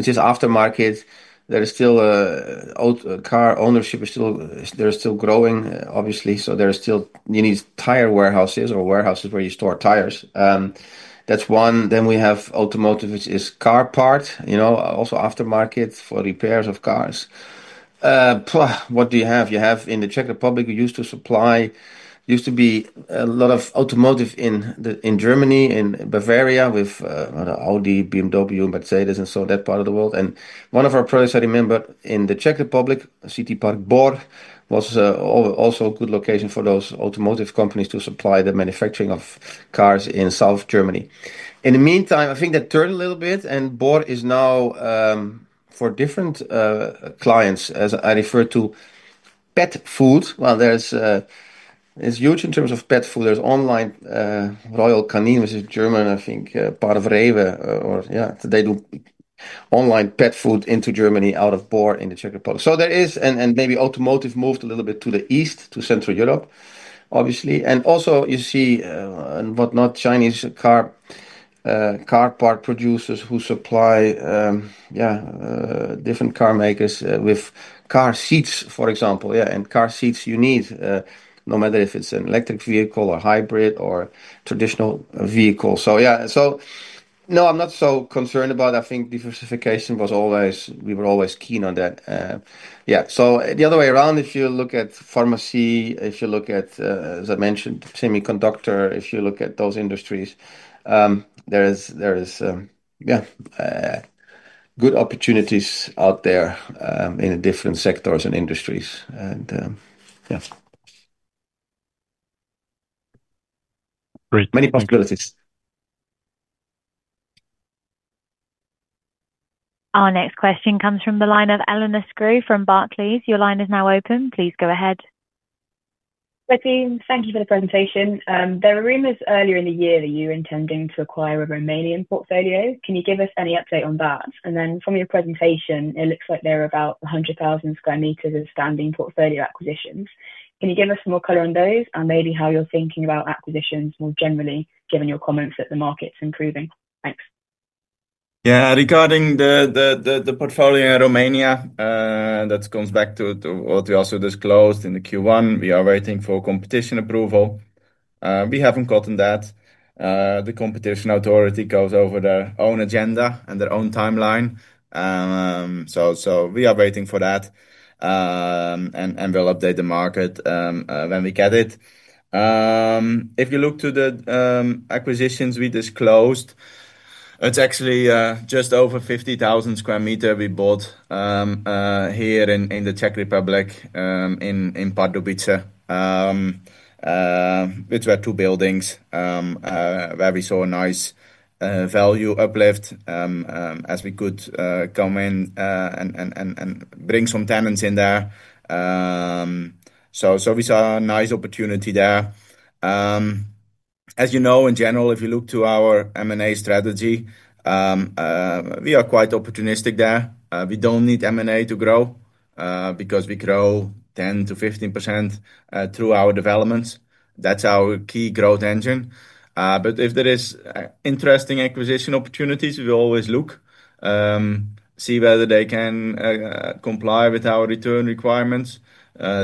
is aftermarket. There is still car ownership, they're still growing, obviously. There are still, you need tire warehouses or warehouses where you store tires. That's one. Then we have automotive, which is car parts, you know, also aftermarket for repairs of cars. Plus, what do you have? You have in the Czech Republic, we used to supply, used to be a lot of automotive in Germany, in Bavaria, with Audi, BMW, Mercedes, and so that part of the world. One of our products, I remember, in the Czech Republic, CTPark Bor, was also a good location for those automotive companies to supply the manufacturing of cars in South Germany. In the meantime, I think that turned a little bit, and Bor is now for different clients, as I refer to pet food. There's huge in terms of pet food. There's online Royal Canin, which is German, I think, part of REWE, or yeah, they do online pet food into Germany out of Bor in the Czech Republic. There is, and maybe automotive moved a little bit to the east to Central and Eastern Europe, obviously. Also you see, and whatnot, Chinese car part producers who supply, yeah, different car makers with car seats, for example. Car seats you need, no matter if it's an electric vehicle or hybrid or traditional vehicle. No, I'm not so concerned about it. I think diversification was always, we were always keen on that. The other way around, if you look at pharmacy, if you look at, as I mentioned, semiconductor, if you look at those industries, there is, yeah, good opportunities out there in different sectors and industries. Yeah, many possibilities. Our next question comes from the line of Eleanor Frew from Barclays. Your line is now open. Please go ahead. Thank you for the presentation. There were rumors earlier in the year that you were intending to acquire a Romanian portfolio. Can you give us any update on that? From your presentation, it looks like there are about 100,000 sq m of standing portfolio acquisitions. Can you give us some more color on those and maybe how you're thinking about acquisitions more generally, given your comments that the market's improving? Thanks. Yeah, regarding the portfolio in Romania, that comes back to what we also disclosed in the Q1. We are waiting for competition approval. We haven't gotten that. The competition authority goes over their own agenda and their own timeline. We are waiting for that, and we'll update the market when we get it. If you look to the acquisitions we disclosed, it's actually just over 50,000 sq m we bought here in the Czech Republic in Pardubice, which were two buildings where we saw a nice value uplift as we could come in and bring some tenants in there. We saw a nice opportunity there. As you know, in general, if you look to our M&A strategy, we are quite opportunistic there. We don't need M&A to grow because we grow 10%-15% through our developments. That's our key growth engine. If there are interesting acquisition opportunities, we always look, see whether they can comply with our return requirements,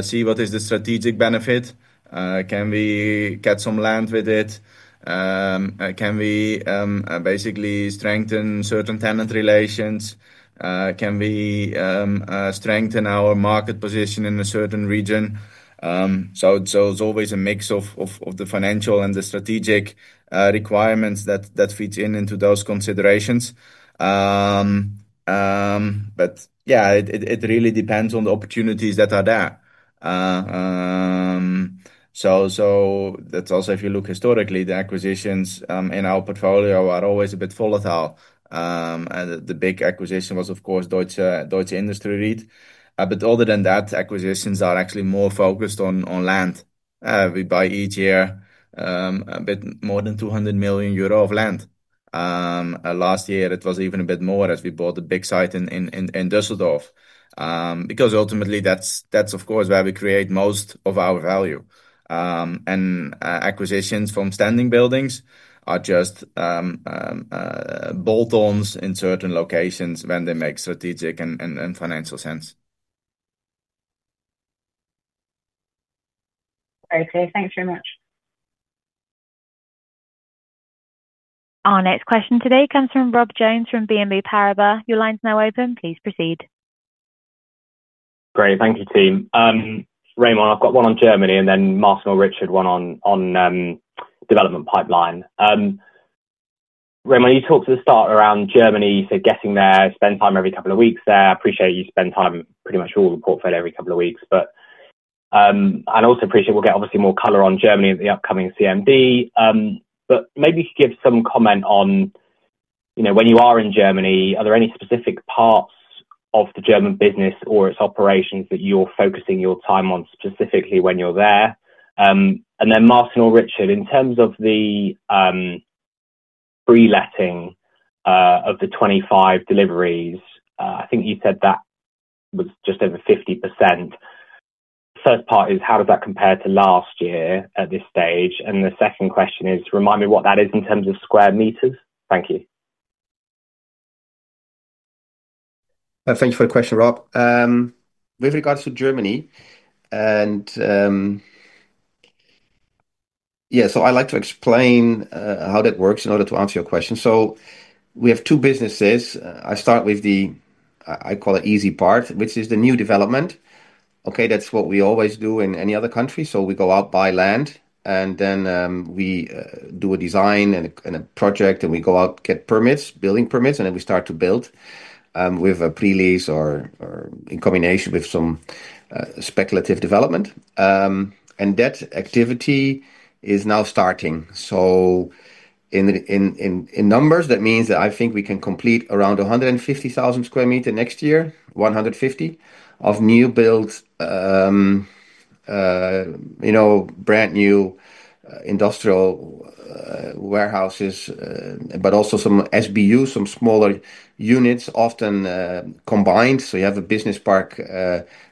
see what is the strategic benefit. Can we get some land with it? Can we basically strengthen certain tenant relations? Can we strengthen our market position in a certain region? It's always a mix of the financial and the strategic requirements that fit into those considerations. It really depends on the opportunities that are there. If you look historically, the acquisitions in our portfolio are always a bit volatile. The big acquisition was, of course, Deutsche Industrie Ried. Other than that, acquisitions are actually more focused on land. We buy each year a bit more than 200 million euro of land. Last year, it was even a bit more as we bought a big site in Düsseldorf. Ultimately, that's, of course, where we create most of our value. Acquisitions from standing buildings are just bolt-ons in certain locations when they make strategic and financial sense. Okay, thanks very much. Our next question today comes from Rob Jones from BNP Paribas. Your line's now open. Please proceed. Great, thank you, team. Remon, I've got one on Germany and then Maarten or Richard, one on development pipeline. Remon, you talked at the start around Germany, so getting there, spending time every couple of weeks there. I appreciate you spending time pretty much all the portfolio every couple of weeks. I also appreciate we'll get obviously more color on Germany at the upcoming CMD. Maybe you could give some comment on, you know, when you are in Germany, are there any specific parts of the German business or its operations that you're focusing your time on specifically when you're there? Maarten or Richard, in terms of the pre-letting of the 25 deliveries, I think you said that was just over 50%. The first part is how does that compare to last year at this stage? The second question is, remind me what that is in terms of square meters. Thank you. Thank you for the question, Rob. With regards to Germany, I'd like to explain how that works in order to answer your question. We have two businesses. I start with the, I call it easy part, which is the new development. That's what we always do in any other country. We go out, buy land, and then we do a design and a project, and we go out, get permits, building permits, and then we start to build with a pre-lease or in combination with some speculative development. That activity is now starting. In numbers, that means that I think we can complete around 150,000 sq m next year, 150 of new builds, you know, brand new industrial warehouses, but also some SBUs, some smaller units, often combined. You have a business park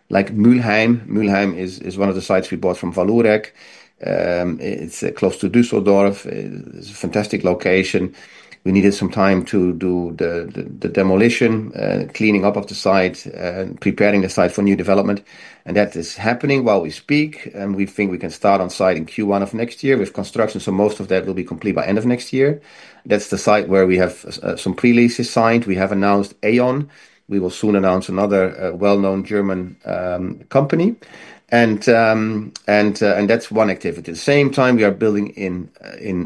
like Mülheim. Mülheim is one of the sites we bought from Vallourec. It's close to Düsseldorf. It's a fantastic location. We needed some time to do the demolition, cleaning up of the site, preparing the site for new development. That is happening while we speak. We think we can start on site in Q1 of next year with construction. Most of that will be complete by the end of next year. That's the site where we have some pre-leases signed. We have announced E.ON. We will soon announce another well-known German company. That's one activity. At the same time, we are building in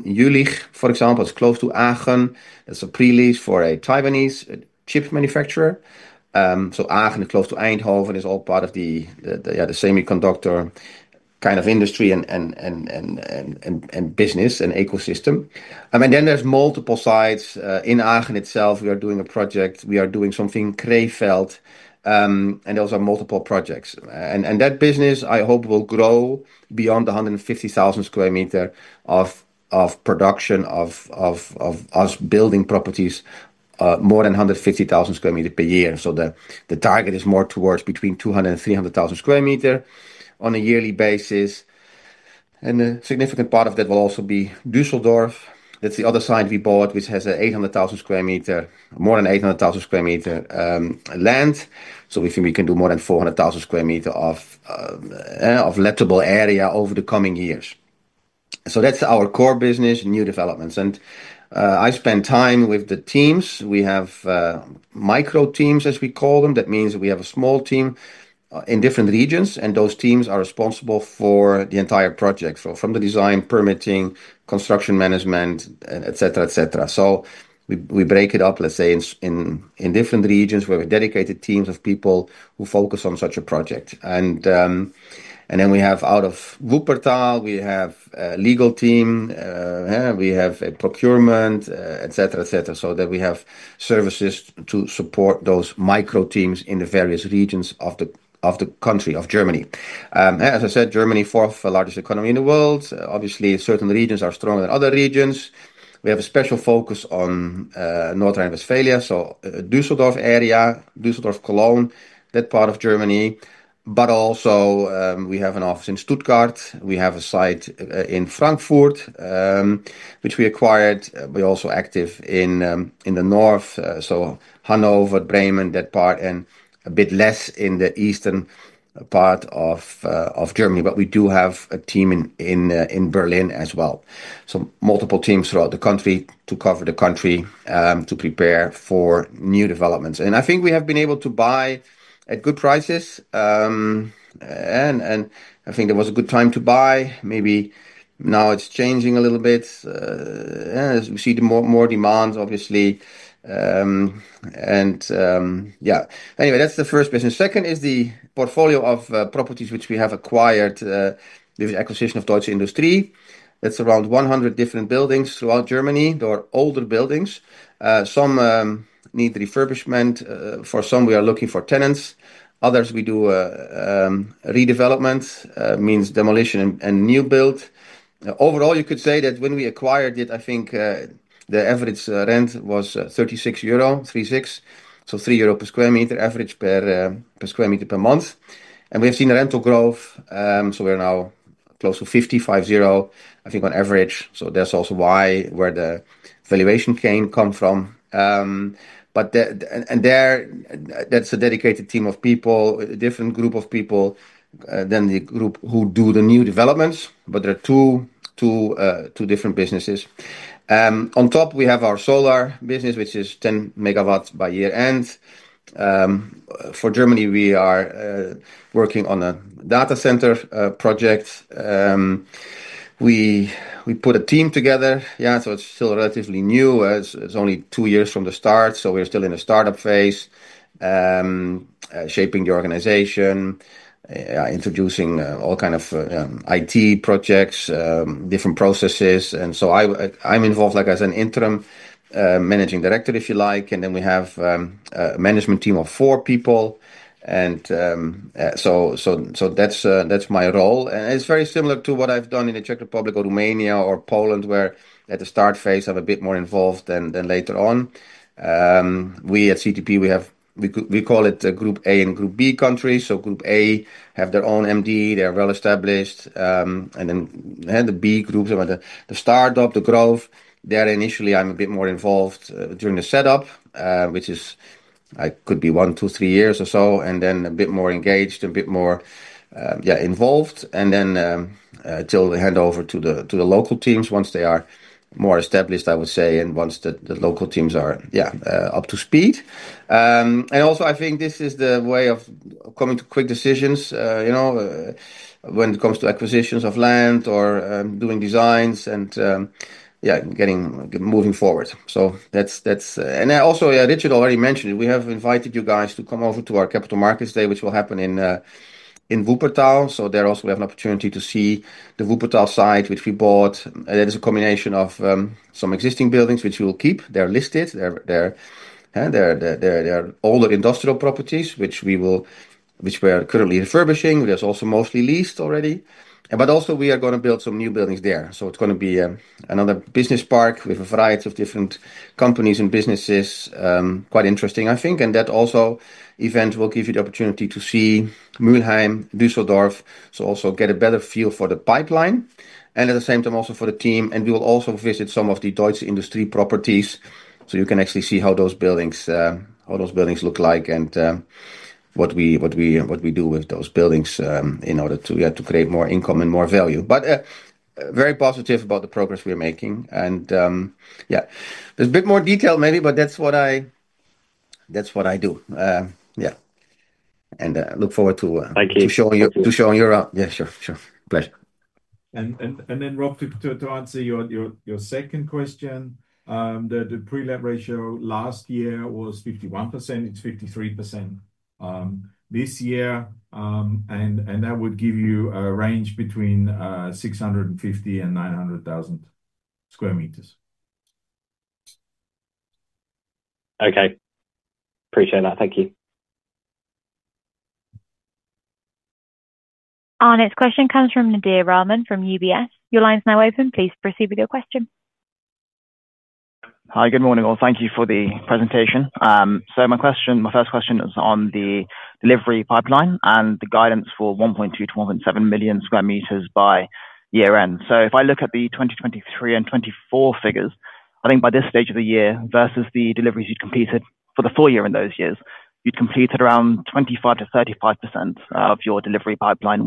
Jülich, for example, it's close to Aachen. It's a pre-lease for a Taiwanese chip manufacturer. Aachen is close to Eindhoven. It's all part of the semiconductor kind of industry and business and ecosystem. There are multiple sites in Aachen itself. We are doing a project. We are doing something in Krefeld. Those are multiple projects. That business, I hope, will grow beyond the 150,000 sq m of production, of us building properties, more than 150,000 sq m per year. The target is more towards between 200,000 sq m and 300,000 sq m on a yearly basis. A significant part of that will also be Düsseldorf. That's the other site we bought, which has 800,000 sq m, more than 800,000 sq m land. We think we can do more than 400,000 sq m of lettable area over the coming years. That's our core business, new developments. I spend time with the teams. We have micro teams, as we call them. That means we have a small team in different regions, and those teams are responsible for the entire project. From the design, permitting, construction management, et cetera, we break it up, let's say, in different regions where we have dedicated teams of people who focus on such a project. We have, out of Wuppertal, a legal team. We have procurement, et cetera, so that we have services to support those micro teams in the various regions of the country of Germany. As I said, Germany is the fourth largest economy in the world. Obviously, certain regions are stronger than other regions. We have a special focus on North Rhine-Westphalia, so the Düsseldorf area, Düsseldorf-Cologne, that part of Germany. We also have an office in Stuttgart. We have a site in Frankfurt, which we acquired. We're also active in the north, so Hannover, Bremen, that part, and a bit less in the eastern part of Germany. We do have a team in Berlin as well. Multiple teams throughout the country cover the country to prepare for new developments. I think we have been able to buy at good prices. I think there was a good time to buy. Maybe now it's changing a little bit. We see more demands, obviously. That's the first business. Second is the portfolio of properties which we have acquired. There's an acquisition of Deutsche Industrie. That's around 100 different buildings throughout Germany. They're older buildings. Some need refurbishment. For some, we are looking for tenants. Others, we do redevelopment, which means demolition and new build. Overall, you could say that when we acquired it, I think the average rent was 3.60 euro per sq m per month. We have seen rental growth, so we're now close to 5.50, I think, on average. That's also where the valuation came from. There, that's a dedicated team of people, a different group of people than the group who do the new developments. There are two different businesses. On top, we have our solar business, which is 10 MW by year end. For Germany, we are working on a data center project. We put a team together. It's still relatively new. It's only two years from the start. We're still in a startup phase, shaping the organization, introducing all kinds of IT projects, different processes. I'm involved as an interim Managing Director, if you like. We have a management team of four people. That's my role. It's very similar to what I've done in the Czech Republic or Romania or Poland, where at the start phase, I'm a bit more involved than later on. We at CTP, we have, we call it the Group A and Group B countries. Group A have their own MD, they're well established. The B groups, the startup, the growth, there initially I'm a bit more involved during the setup, which is, it could be one, two, three years or so, and then a bit more engaged and a bit more involved until we hand over to the local teams once they are more established, I would say, and once the local teams are up to speed. I think this is the way of coming to quick decisions, you know, when it comes to acquisitions of land or doing designs and getting moving forward. Richard already mentioned it. We have invited you guys to come over to our capital markets day, which will happen in Wuppertal. There, we have an opportunity to see the Wuppertal site, which we bought. That is a combination of some existing buildings, which we will keep. They're listed. They're older industrial properties, which we are currently refurbishing. There's also mostly leased already. We are going to build some new buildings there. It's going to be another business park with a variety of different companies and businesses. Quite interesting, I think. That event will give you the opportunity to see Mülheim, Düsseldorf, so you also get a better feel for the pipeline and at the same time, also for the team. We will also visit some of the Deutsche Industrie properties, so you can actually see how those buildings look like and what we do with those buildings in order to create more income and more value. Very positive about the progress we're making. There's a bit more detail maybe, but that's what I do. Look forward to showing your, yeah, sure, sure. Pleasure. Rob, to answer your second question, the pre-let ratio last year was 51%. It's 53% this year. That would give you a range between 650,000 sq m and 900,000 sq m. Okay. Appreciate that. Thank you. Our next question comes from Nadir Rahman from UBS. Your line's now open. Please proceed with your question. Hi, good morning. Thank you for the presentation. My first question is on the delivery pipeline and the guidance for 1.2 million sq m-1.7 million sq m by year end. If I look at the 2023 and 2024 figures, I think by this stage of the year versus the deliveries you'd completed for the full year in those years, you'd completed around 25% to 35% of your delivery pipeline.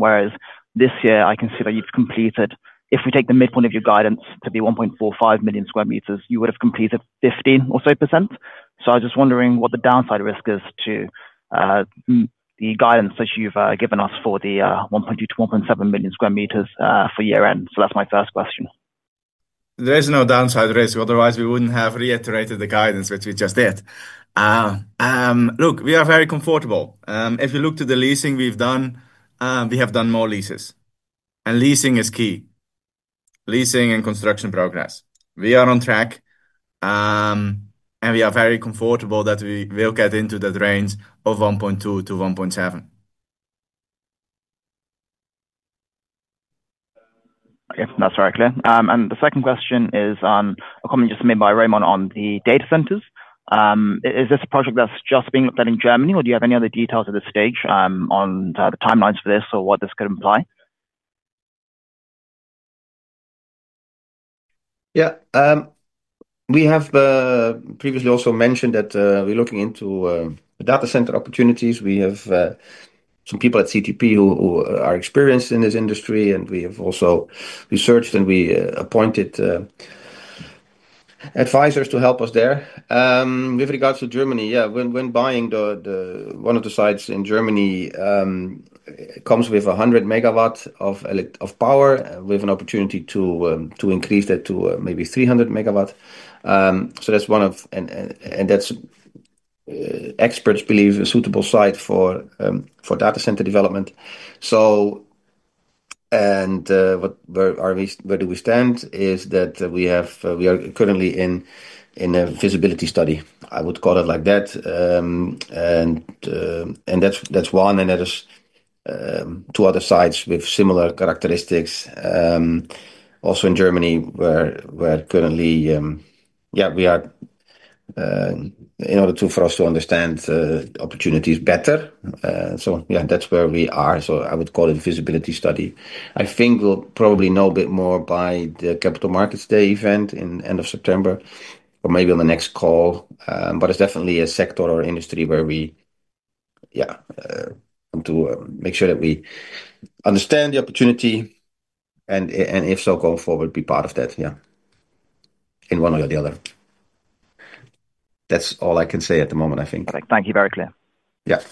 This year, I can see that you've completed, if we take the midpoint of your guidance to be 1.45 million sq m, you would have completed 15% or so. I was just wondering what the downside risk is to the guidance that you've given us for the 1.2 million-1.7 million sq m for year end. That's my first question. There's no downside risk. Otherwise, we wouldn't have reiterated the guidance, which we just did. Look, we are very comfortable. If you look to the leasing we've done, we have done more leases. Leasing is key. Leasing and construction progress are on track. We are very comfortable that we will get into that range of $1.2 to $1.7 million. Yep, that's very clear. The second question is a comment just made by Remon on the data centers. Is this a project that's just being looked at in Germany, or do you have any other details at this stage on the timelines for this or what this could imply? Yeah, we have previously also mentioned that we're looking into data center opportunities. We have some people at CTP who are experienced in this industry, and we have also researched, and we appointed advisors to help us there. With regards to Germany, when buying one of the sites in Germany, it comes with 100 MW of power. We have an opportunity to increase that to maybe 300 MW. That's one of, and experts believe, a suitable site for data center development. Where we stand is that we are currently in a visibility study, I would call it like that. That's one, and there are two other sites with similar characteristics. Also in Germany, where currently, we are, in order for us to understand opportunities better. That's where we are. I would call it a visibility study. I think we'll probably know a bit more by the Capital Markets Day event in the end of September, or maybe on the next call. It's definitely a sector or industry where we, yeah, come to. Sure that we understand the opportunity, and if so, going forward, be part of that. In one way or the other, that's all I can say at the moment, I think. Thank you. Very clear. Yes.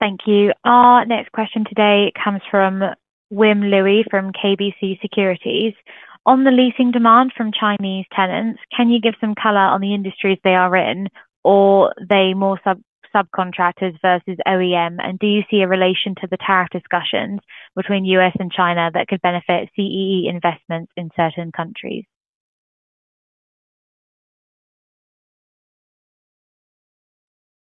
Thank you. Our next question today comes from [Wim Louie] from KBC Securities. On the leasing demand from Chinese tenants, can you give some color on the industries they are in or are they more subcontractors versus OEM? Do you see a relation to the tariff discussions between U.S. and China that could benefit CEE investments in certain countries?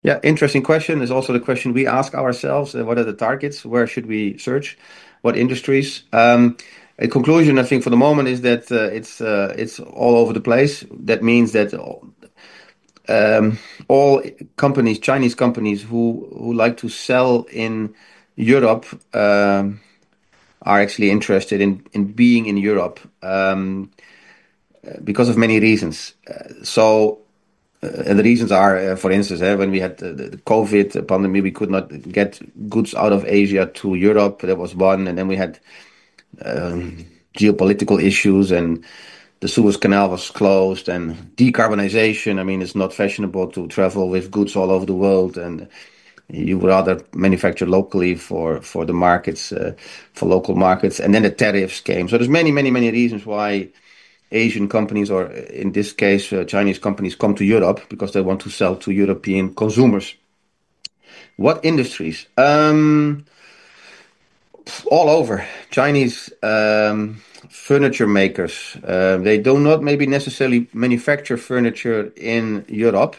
Yeah, interesting question. It's also the question we ask ourselves. What are the targets? Where should we search? What industries? A conclusion, I think, for the moment is that it's all over the place. That means that all companies, Chinese companies who like to sell in Europe are actually interested in being in Europe because of many reasons. The reasons are, for instance, when we had the COVID pandemic, we could not get goods out of Asia to Europe. That was one. We had geopolitical issues and the Suez Canal was closed and decarbonization. I mean, it's not fashionable to travel with goods all over the world. You'd rather manufacture locally for the markets, for local markets. The tariffs came. There are many, many, many reasons why Asian companies or in this case, Chinese companies come to Europe because they want to sell to European consumers. What industries? All over. Chinese furniture makers, they do not maybe necessarily manufacture furniture in Europe,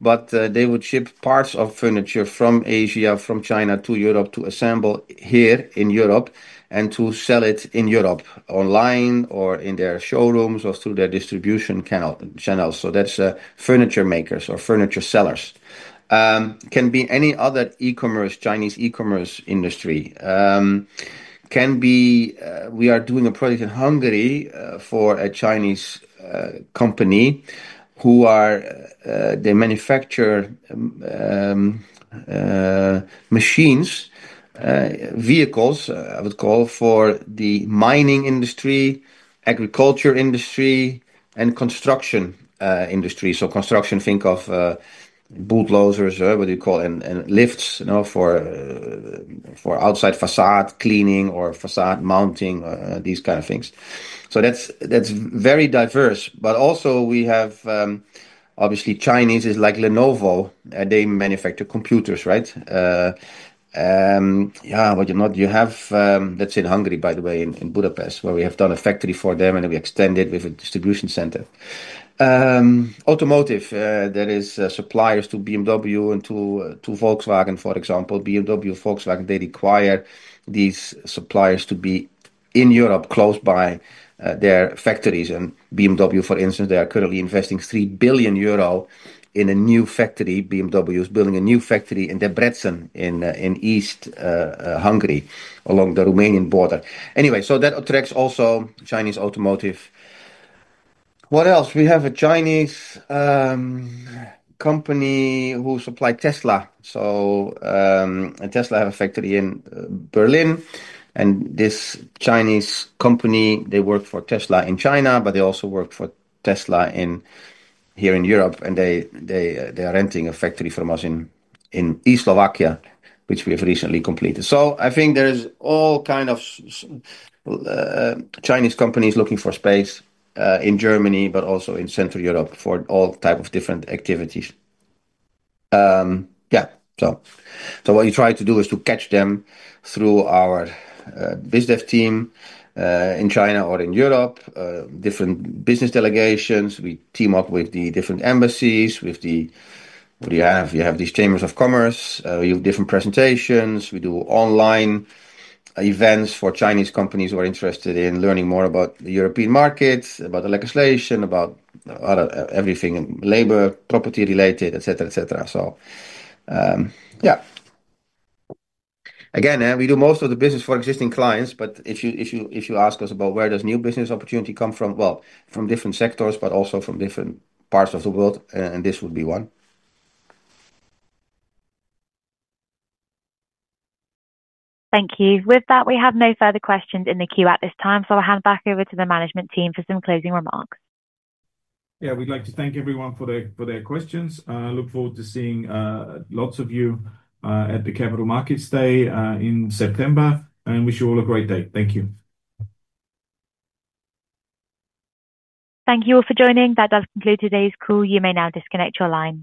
but they would ship parts of furniture from Asia, from China to Europe to assemble here in Europe and to sell it in Europe online or in their showrooms or through their distribution channels. That's furniture makers or furniture sellers. Can be any other e-commerce, Chinese e-commerce industry. We are doing a project in Hungary for a Chinese company who are, they manufacture machines, vehicles, I would call for the mining industry, agriculture industry, and construction industry. Construction, think of bootloaders, what do you call it, and lifts for outside facade cleaning or facade mounting, these kinds of things. That's very diverse. We have, obviously, Chinese companies like Lenovo. They manufacture computers, right? In Hungary, by the way, in Budapest, we have done a factory for them and we extended with a distribution center. Automotive, there are suppliers to BMW and to Volkswagen, for example. BMW, Volkswagen, they require these suppliers to be in Europe, close by their factories. BMW, for instance, they are currently investing 3 billion euro in a new factory. BMW is building a new factory in Debrecen in East Hungary, along the Romanian border. That attracts also Chinese automotive. We have a Chinese company who supplies Tesla. Tesla has a factory in Berlin. This Chinese company, they work for Tesla in China, but they also work for Tesla here in Europe. They are renting a factory from us in East Slovakia, which we have recently completed. I think there's all kinds of Chinese companies looking for space in Germany, but also in Central Europe for all types of different activities. What we try to do is to catch them through our business team in China or in Europe, different business delegations. We team up with the different embassies. You have these chambers of commerce. We have different presentations. We do online events for Chinese companies who are interested in learning more about the European markets, about the legislation, about everything, labor, property related, et cetera, et cetera. We do most of the business for existing clients, but if you ask us about where does new business opportunity come from, from different sectors, but also from different parts of the world, and this would be one. Thank you. With that, we have no further questions in the queue at this time, so I'll hand back over to the management team for some closing remarks. Yeah, we'd like to thank everyone for their questions. I look forward to seeing lots of you at the Capital Markets Day in September, and wish you all a great day. Thank you. Thank you all for joining. That does conclude today's call. You may now disconnect your line.